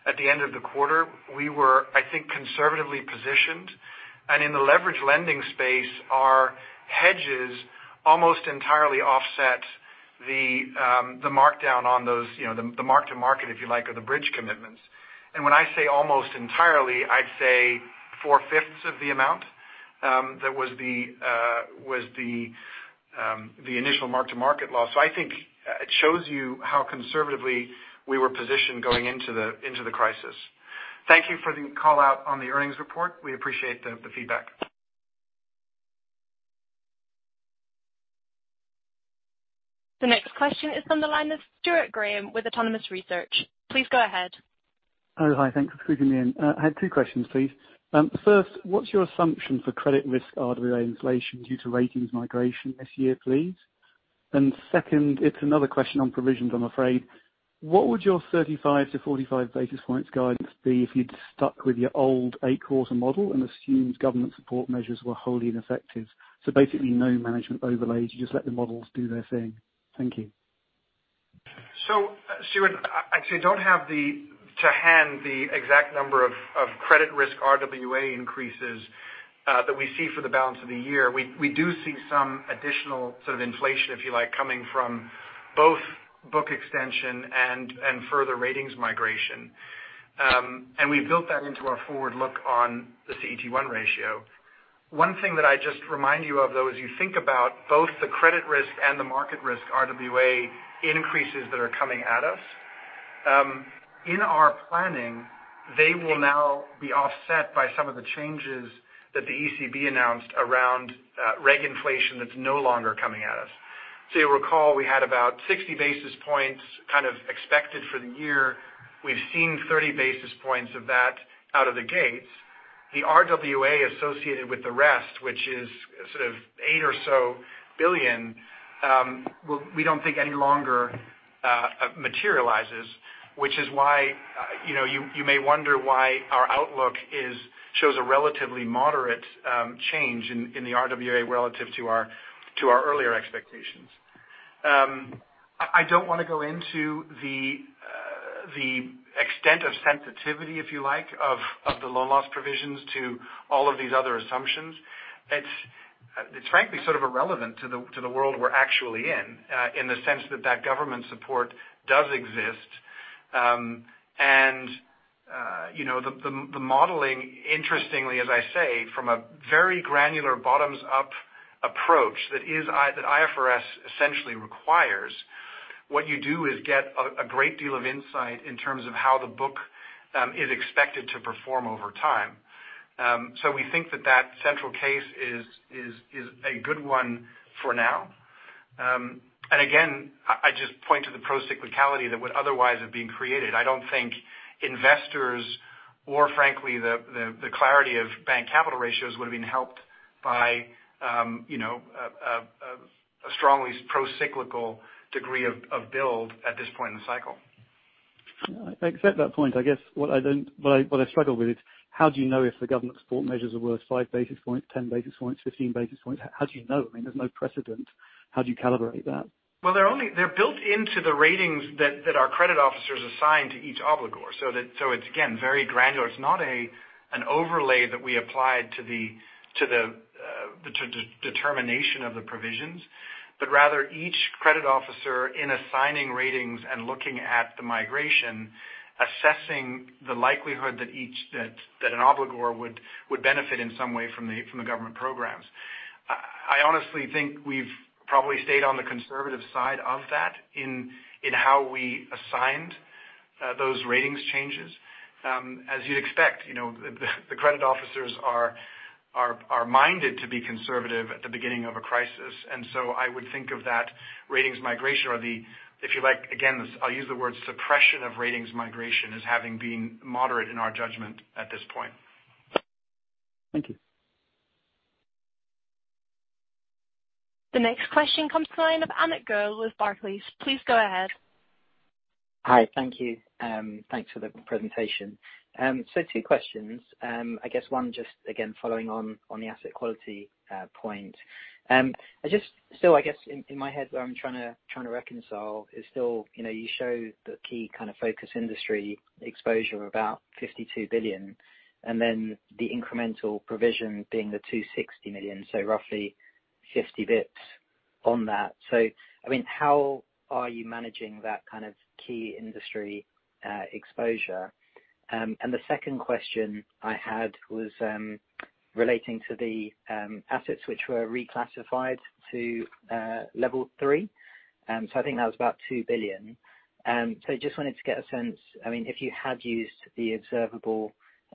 at the end of the quarter. We were, I think, conservatively positioned, in the leverage lending space, our hedges almost entirely offset the markdown on those, the mark to market, if you like, or the bridge commitments. When I say almost entirely, I'd say four-fifths of the amount that was the initial mark to market loss. I think it shows you how conservatively we were positioned going into the crisis. Thank you for the call-out on the earnings report. We appreciate the feedback. The next question is on the line with Stuart Graham with Autonomous Research. Please go ahead. Hi. Thanks for putting me in. I had two questions, please. First, what's your assumption for credit risk RWA inflation due to ratings migration this year, please? Second, it's another question on provisions, I'm afraid. What would your 35-45 basis points guidance be if you'd stuck with your old eight-quarter model and assumed government support measures were wholly ineffective? Basically no management overlays, you just let the models do their thing. Thank you. Stuart, I actually don't have to hand the exact number of credit risk RWA increases that we see for the balance of the year. We do see some additional sort of inflation, if you like, coming from both book extension and further ratings migration. We've built that into our forward look on the CET1 ratio. One thing that I just remind you of, though, as you think about both the credit risk and the market risk RWA increases that are coming at us. In our planning, they will now be offset by some of the changes that the ECB announced around reg inflation that's no longer coming at us. You'll recall we had about 60 basis points kind of expected for the year. We've seen 30 basis points of that out of the gates. The RWA associated with the rest, which is sort of 8 billion, we don't think any longer materializes, which is why you may wonder why our outlook shows a relatively moderate change in the RWA relative to our earlier expectations. I don't want to go into the extent of sensitivity, if you like, of the loan loss provisions to all of these other assumptions. It's frankly sort of irrelevant to the world we're actually in the sense that that government support does exist. The modeling, interestingly, as I say, from a very granular bottoms-up approach that IFRS essentially requires, what you do is get a great deal of insight in terms of how the book is expected to perform over time. We think that that central case is a good one for now. Again, I just point to the procyclicality that would otherwise have been created. I don't think investors or frankly, the clarity of bank capital ratios would have been helped by a strongly procyclical degree of build at this point in the cycle. I accept that point. I guess what I struggle with is how do you know if the government support measures are worth 5 basis points, 10 basis points, 15 basis points? How do you know? I mean, there's no precedent. How do you calibrate that? Well, they're built into the ratings that our credit officers assign to each obligor. It's, again, very granular. It's not an overlay that we applied to the determination of the provisions, but rather each credit officer in assigning ratings and looking at the migration, assessing the likelihood that an obligor would benefit in some way from the government programs. I honestly think we've probably stayed on the conservative side of that in how we assigned those ratings changes. As you'd expect, the credit officers are minded to be conservative at the beginning of a crisis. I would think of that ratings migration or the, if you like, again, I'll use the word suppression of ratings migration as having been moderate in our judgment at this point. Thank you. The next question comes to the line of Amit Goel with Barclays. Please go ahead. Hi. Thank you. Thanks for the presentation. Two questions. I guess one just again, following on the asset quality point. I guess in my head what I'm trying to reconcile is still you show the key kind of focus industry exposure of about 52 billion, and then the incremental provision being the 260 million, roughly 50 basis points on that. How are you managing that kind of key industry exposure? The second question I had was relating to the assets which were reclassified to Level 3. I think that was about 2 billion. Just wanted to get a sense, if you had used the observable,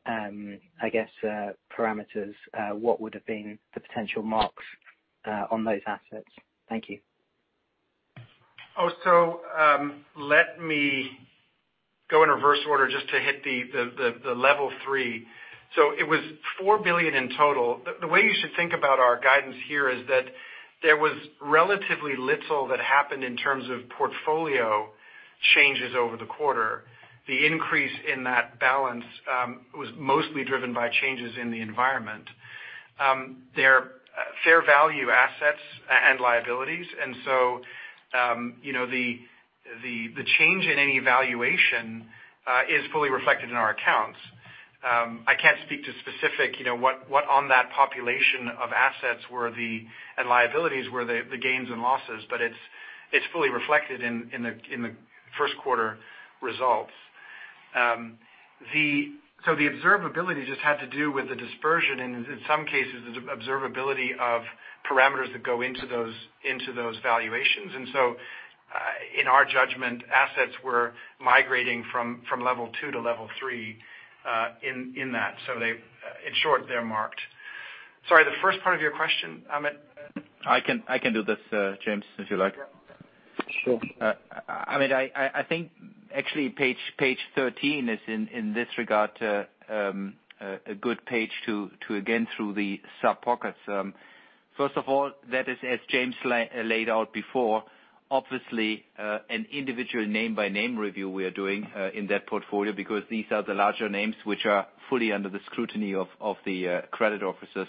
I guess parameters, what would have been the potential marks on those assets? Thank you. Let me go in reverse order just to hit the Level 3. It was 4 billion in total. The way you should think about our guidance here is that there was relatively little that happened in terms of portfolio changes over the quarter. The increase in that balance was mostly driven by changes in the environment. They're fair value assets and liabilities. The change in any valuation is fully reflected in our accounts. I can't speak to specific what on that population of assets and liabilities were the gains and losses, but it's fully reflected in the first quarter results. The observability just had to do with the dispersion in some cases, the observability of parameters that go into those valuations. In our judgment, assets were migrating from Level 2 to Level 3 in that. In short, they're marked. Sorry, the first part of your question, Amit? I can do this, James, if you like. Sure. Amit, I think actually page 13 is in this regard a good page to again through the sub-pockets. First of all, that is as James laid out before, obviously an individual name-by-name review we are doing in that portfolio because these are the larger names which are fully under the scrutiny of the credit officers.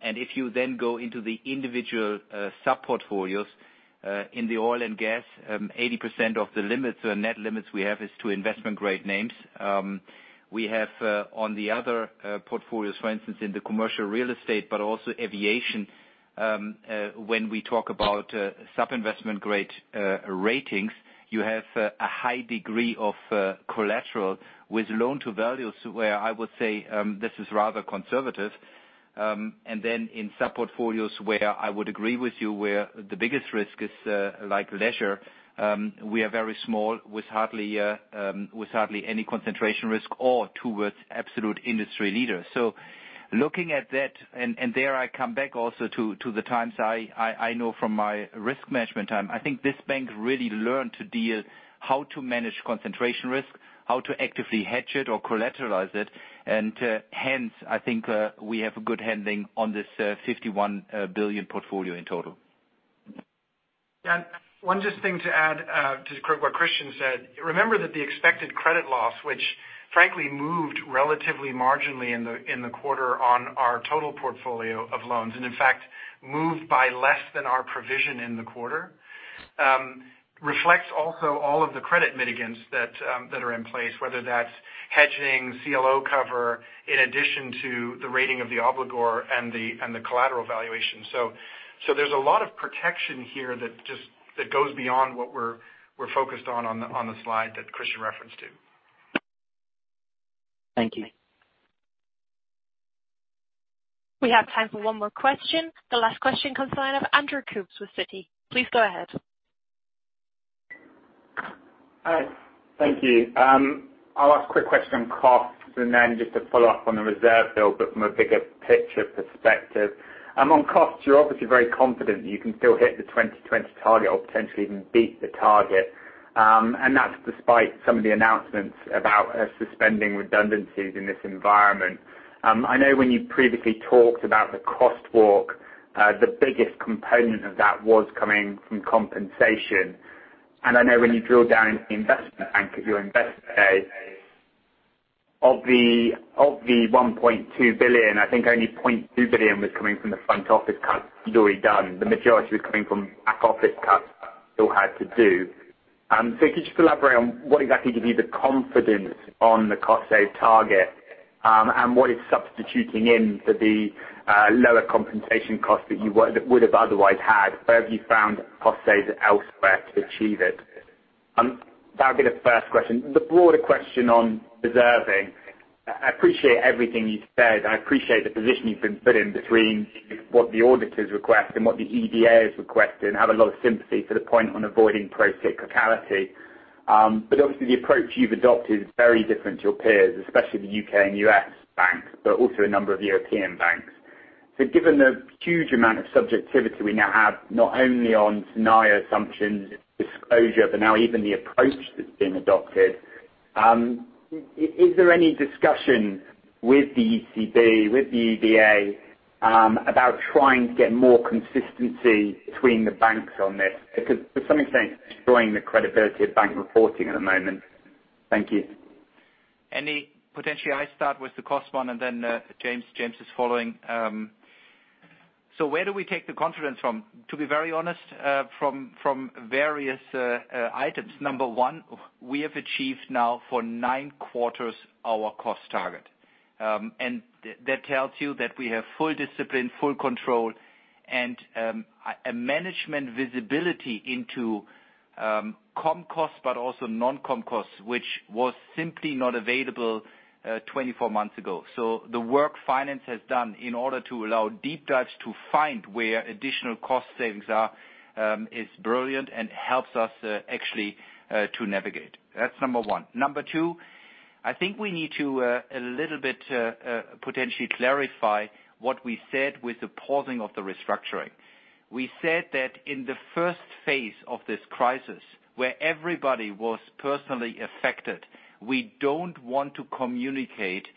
If you then go into the individual sub-portfolios in the oil and gas, 80% of the net limits we have is to investment-grade names. We have on the other portfolios, for instance, in the commercial real estate, but also aviation, when we talk about sub-investment-grade ratings, you have a high degree of collateral with loan to values where I would say this is rather conservative. In sub-portfolios where I would agree with you where the biggest risk is like leisure, we are very small with hardly any concentration risk or towards absolute industry leaders. Looking at that, and there I come back also to the times I know from my risk management time. I think this bank really learned to deal how to manage concentration risk, how to actively hedge it or collateralize it. Hence, I think we have a good handling on this 51 billion portfolio in total. One just thing to add to what Christian said. Remember that the expected credit loss, which frankly moved relatively marginally in the quarter on our total portfolio of loans, and in fact, moved by less than our provision in the quarter, reflects also all of the credit mitigants that are in place, whether that's hedging, CLO cover, in addition to the rating of the obligor and the collateral valuation. There's a lot of protection here that goes beyond what we're focused on the slide that Christian referenced to. Thank you. We have time for one more question. The last question comes from Andrew Coombs with Citi. Please go ahead. Hi. Thank you. I'll ask a quick question on costs and then just to follow up on the reserve build, but from a bigger picture perspective. On costs, you're obviously very confident that you can still hit the 2020 target or potentially even beat the target. That's despite some of the announcements about suspending redundancies in this environment. I know when you previously talked about the cost walk, the biggest component of that was coming from compensation. I know when you drill down into the investment bank, if you invest today, of the 1.2 billion, I think only 0.2 billion was coming from the front office cuts you'd already done. The majority was coming from back office cuts still had to do. Could you just elaborate on what exactly gives you the confidence on the cost save target? What is substituting in for the lower compensation cost that you would have otherwise had? Where have you found cost saves elsewhere to achieve it? That would be the first question. The broader question on reserving. I appreciate everything you said. I appreciate the position you've been put in between what the auditors request and what the EBA is requesting. I have a lot of sympathy for the point on avoiding procyclicality. Obviously the approach you've adopted is very different to your peers, especially the U.K. and U.S. banks, but also a number of European banks. Given the huge amount of subjectivity we now have, not only on scenario assumptions, disclosure, but now even the approach that's been adopted, is there any discussion with the ECB, with the EBA about trying to get more consistency between the banks on this? To some extent, it's destroying the credibility of bank reporting at the moment. Thank you. Andy, potentially I start with the cost one and then James is following. Where do we take the confidence from? To be very honest, from various items. Number one, we have achieved now for nine quarters our cost target. That tells you that we have full discipline, full control, and a management visibility into comp costs, but also non-comp costs, which was simply not available 24 months ago. The work finance has done in order to allow deep dives to find where additional cost savings are is brilliant and helps us actually to navigate. That's Number one. Number two, I think we need to a little bit potentially clarify what we said with the pausing of the restructuring. We said that in the first phase of this crisis, where everybody was personally affected, we don't want to communicate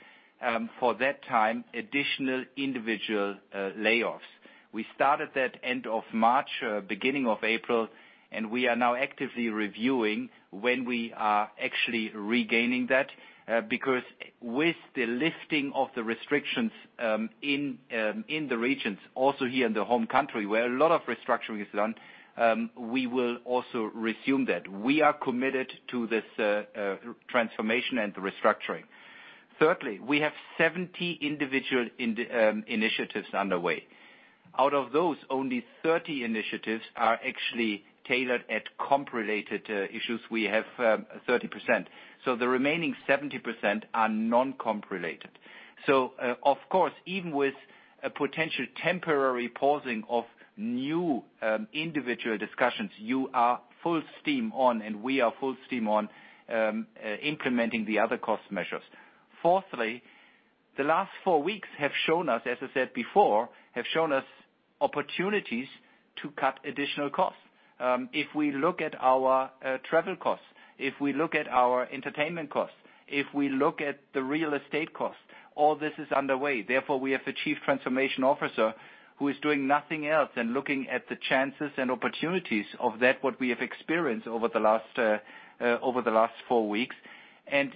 for that time additional individual layoffs. We started that end of March, beginning of April, and we are now actively reviewing when we are actually regaining that. With the lifting of the restrictions in the regions, also here in the home country, where a lot of restructuring is done, we will also resume that. We are committed to this transformation and the restructuring. Thirdly, we have 70 individual initiatives underway. Out of those, only 30 initiatives are actually tailored at comp-related issues. We have 30%. The remaining 70% are non-comp related. Of course, even with a potential temporary pausing of new individual discussions, you are full steam on, and we are full steam on implementing the other cost measures. Fourthly, the last four weeks have shown us, as I said before, have shown us opportunities to cut additional costs. If we look at our travel costs, if we look at our entertainment costs, if we look at the real estate cost, all this is underway. Therefore, we have the Chief Transformation Officer who is doing nothing else than looking at the chances and opportunities of that what we have experienced over the last four weeks,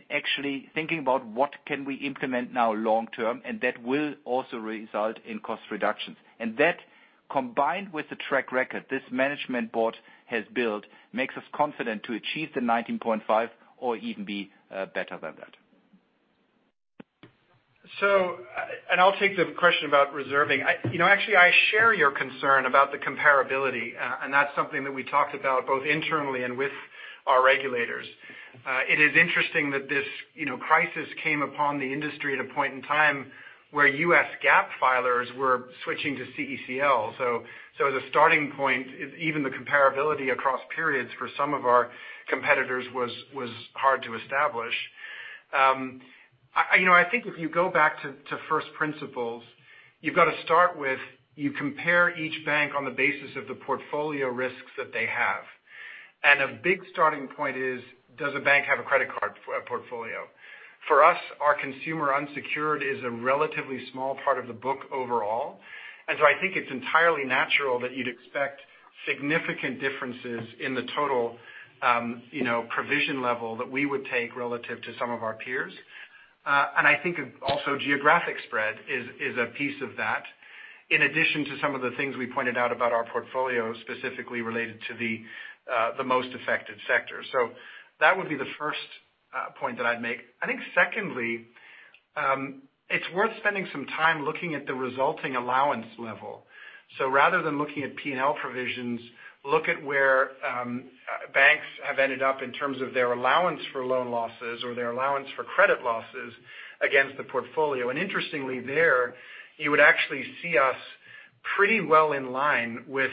actually thinking about what can we implement now long term, and that will also result in cost reductions. That, combined with the track record this management board has built, makes us confident to achieve the 19.5 or even be better than that. I'll take the question about reserving. Actually, I share your concern about the comparability, and that's something that we talked about both internally and with our regulators. It is interesting that this crisis came upon the industry at a point in time where U.S. GAAP filers were switching to CECL. The starting point is even the comparability across periods for some of our competitors was hard to establish. I think if you go back to first principles, you've got to start with you compare each bank on the basis of the portfolio risks that they have. A big starting point is, does a bank have a credit card portfolio? For us, our consumer unsecured is a relatively small part of the book overall. I think it's entirely natural that you'd expect significant differences in the total provision level that we would take relative to some of our peers. I think also geographic spread is a piece of that, in addition to some of the things we pointed out about our portfolio, specifically related to the most affected sectors. That would be the first point that I'd make. Secondly, it's worth spending some time looking at the resulting allowance level. Rather than looking at P&L provisions, look at where banks have ended up in terms of their allowance for loan losses or their allowance for credit losses against the portfolio. Interestingly there, you would actually see us pretty well in line with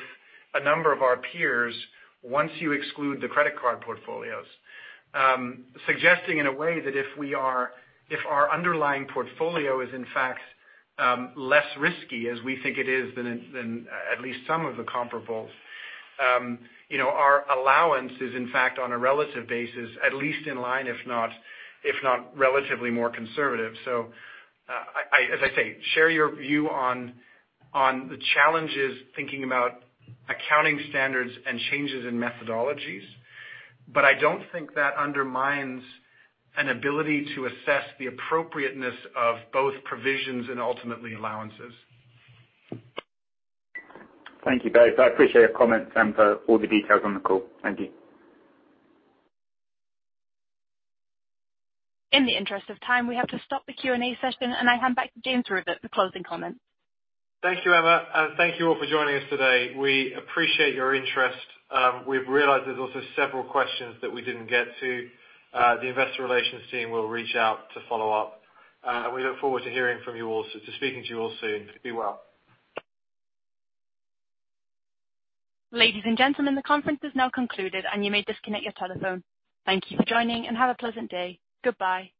a number of our peers once you exclude the credit card portfolios. Suggesting in a way that if our underlying portfolio is in fact less risky, as we think it is than at least some of the comparables, our allowance is in fact on a relative basis, at least in line, if not relatively more conservative. As I say, share your view on the challenges thinking about accounting standards and changes in methodologies. I don't think that undermines an ability to assess the appropriateness of both provisions and ultimately allowances. Thank you, James. I appreciate your comments and for all the details on the call. Thank you. In the interest of time, we have to stop the Q&A session, and I hand back to James for closing comments. Thank you, Emma, and thank you all for joining us today. We appreciate your interest. We've realized there's also several questions that we didn't get to. The investor relations team will reach out to follow up. We look forward to hearing from you all, to speaking to you all soon. Be well. Ladies and gentlemen, the conference is now concluded, and you may disconnect your telephone. Thank you for joining, and have a pleasant day. Goodbye.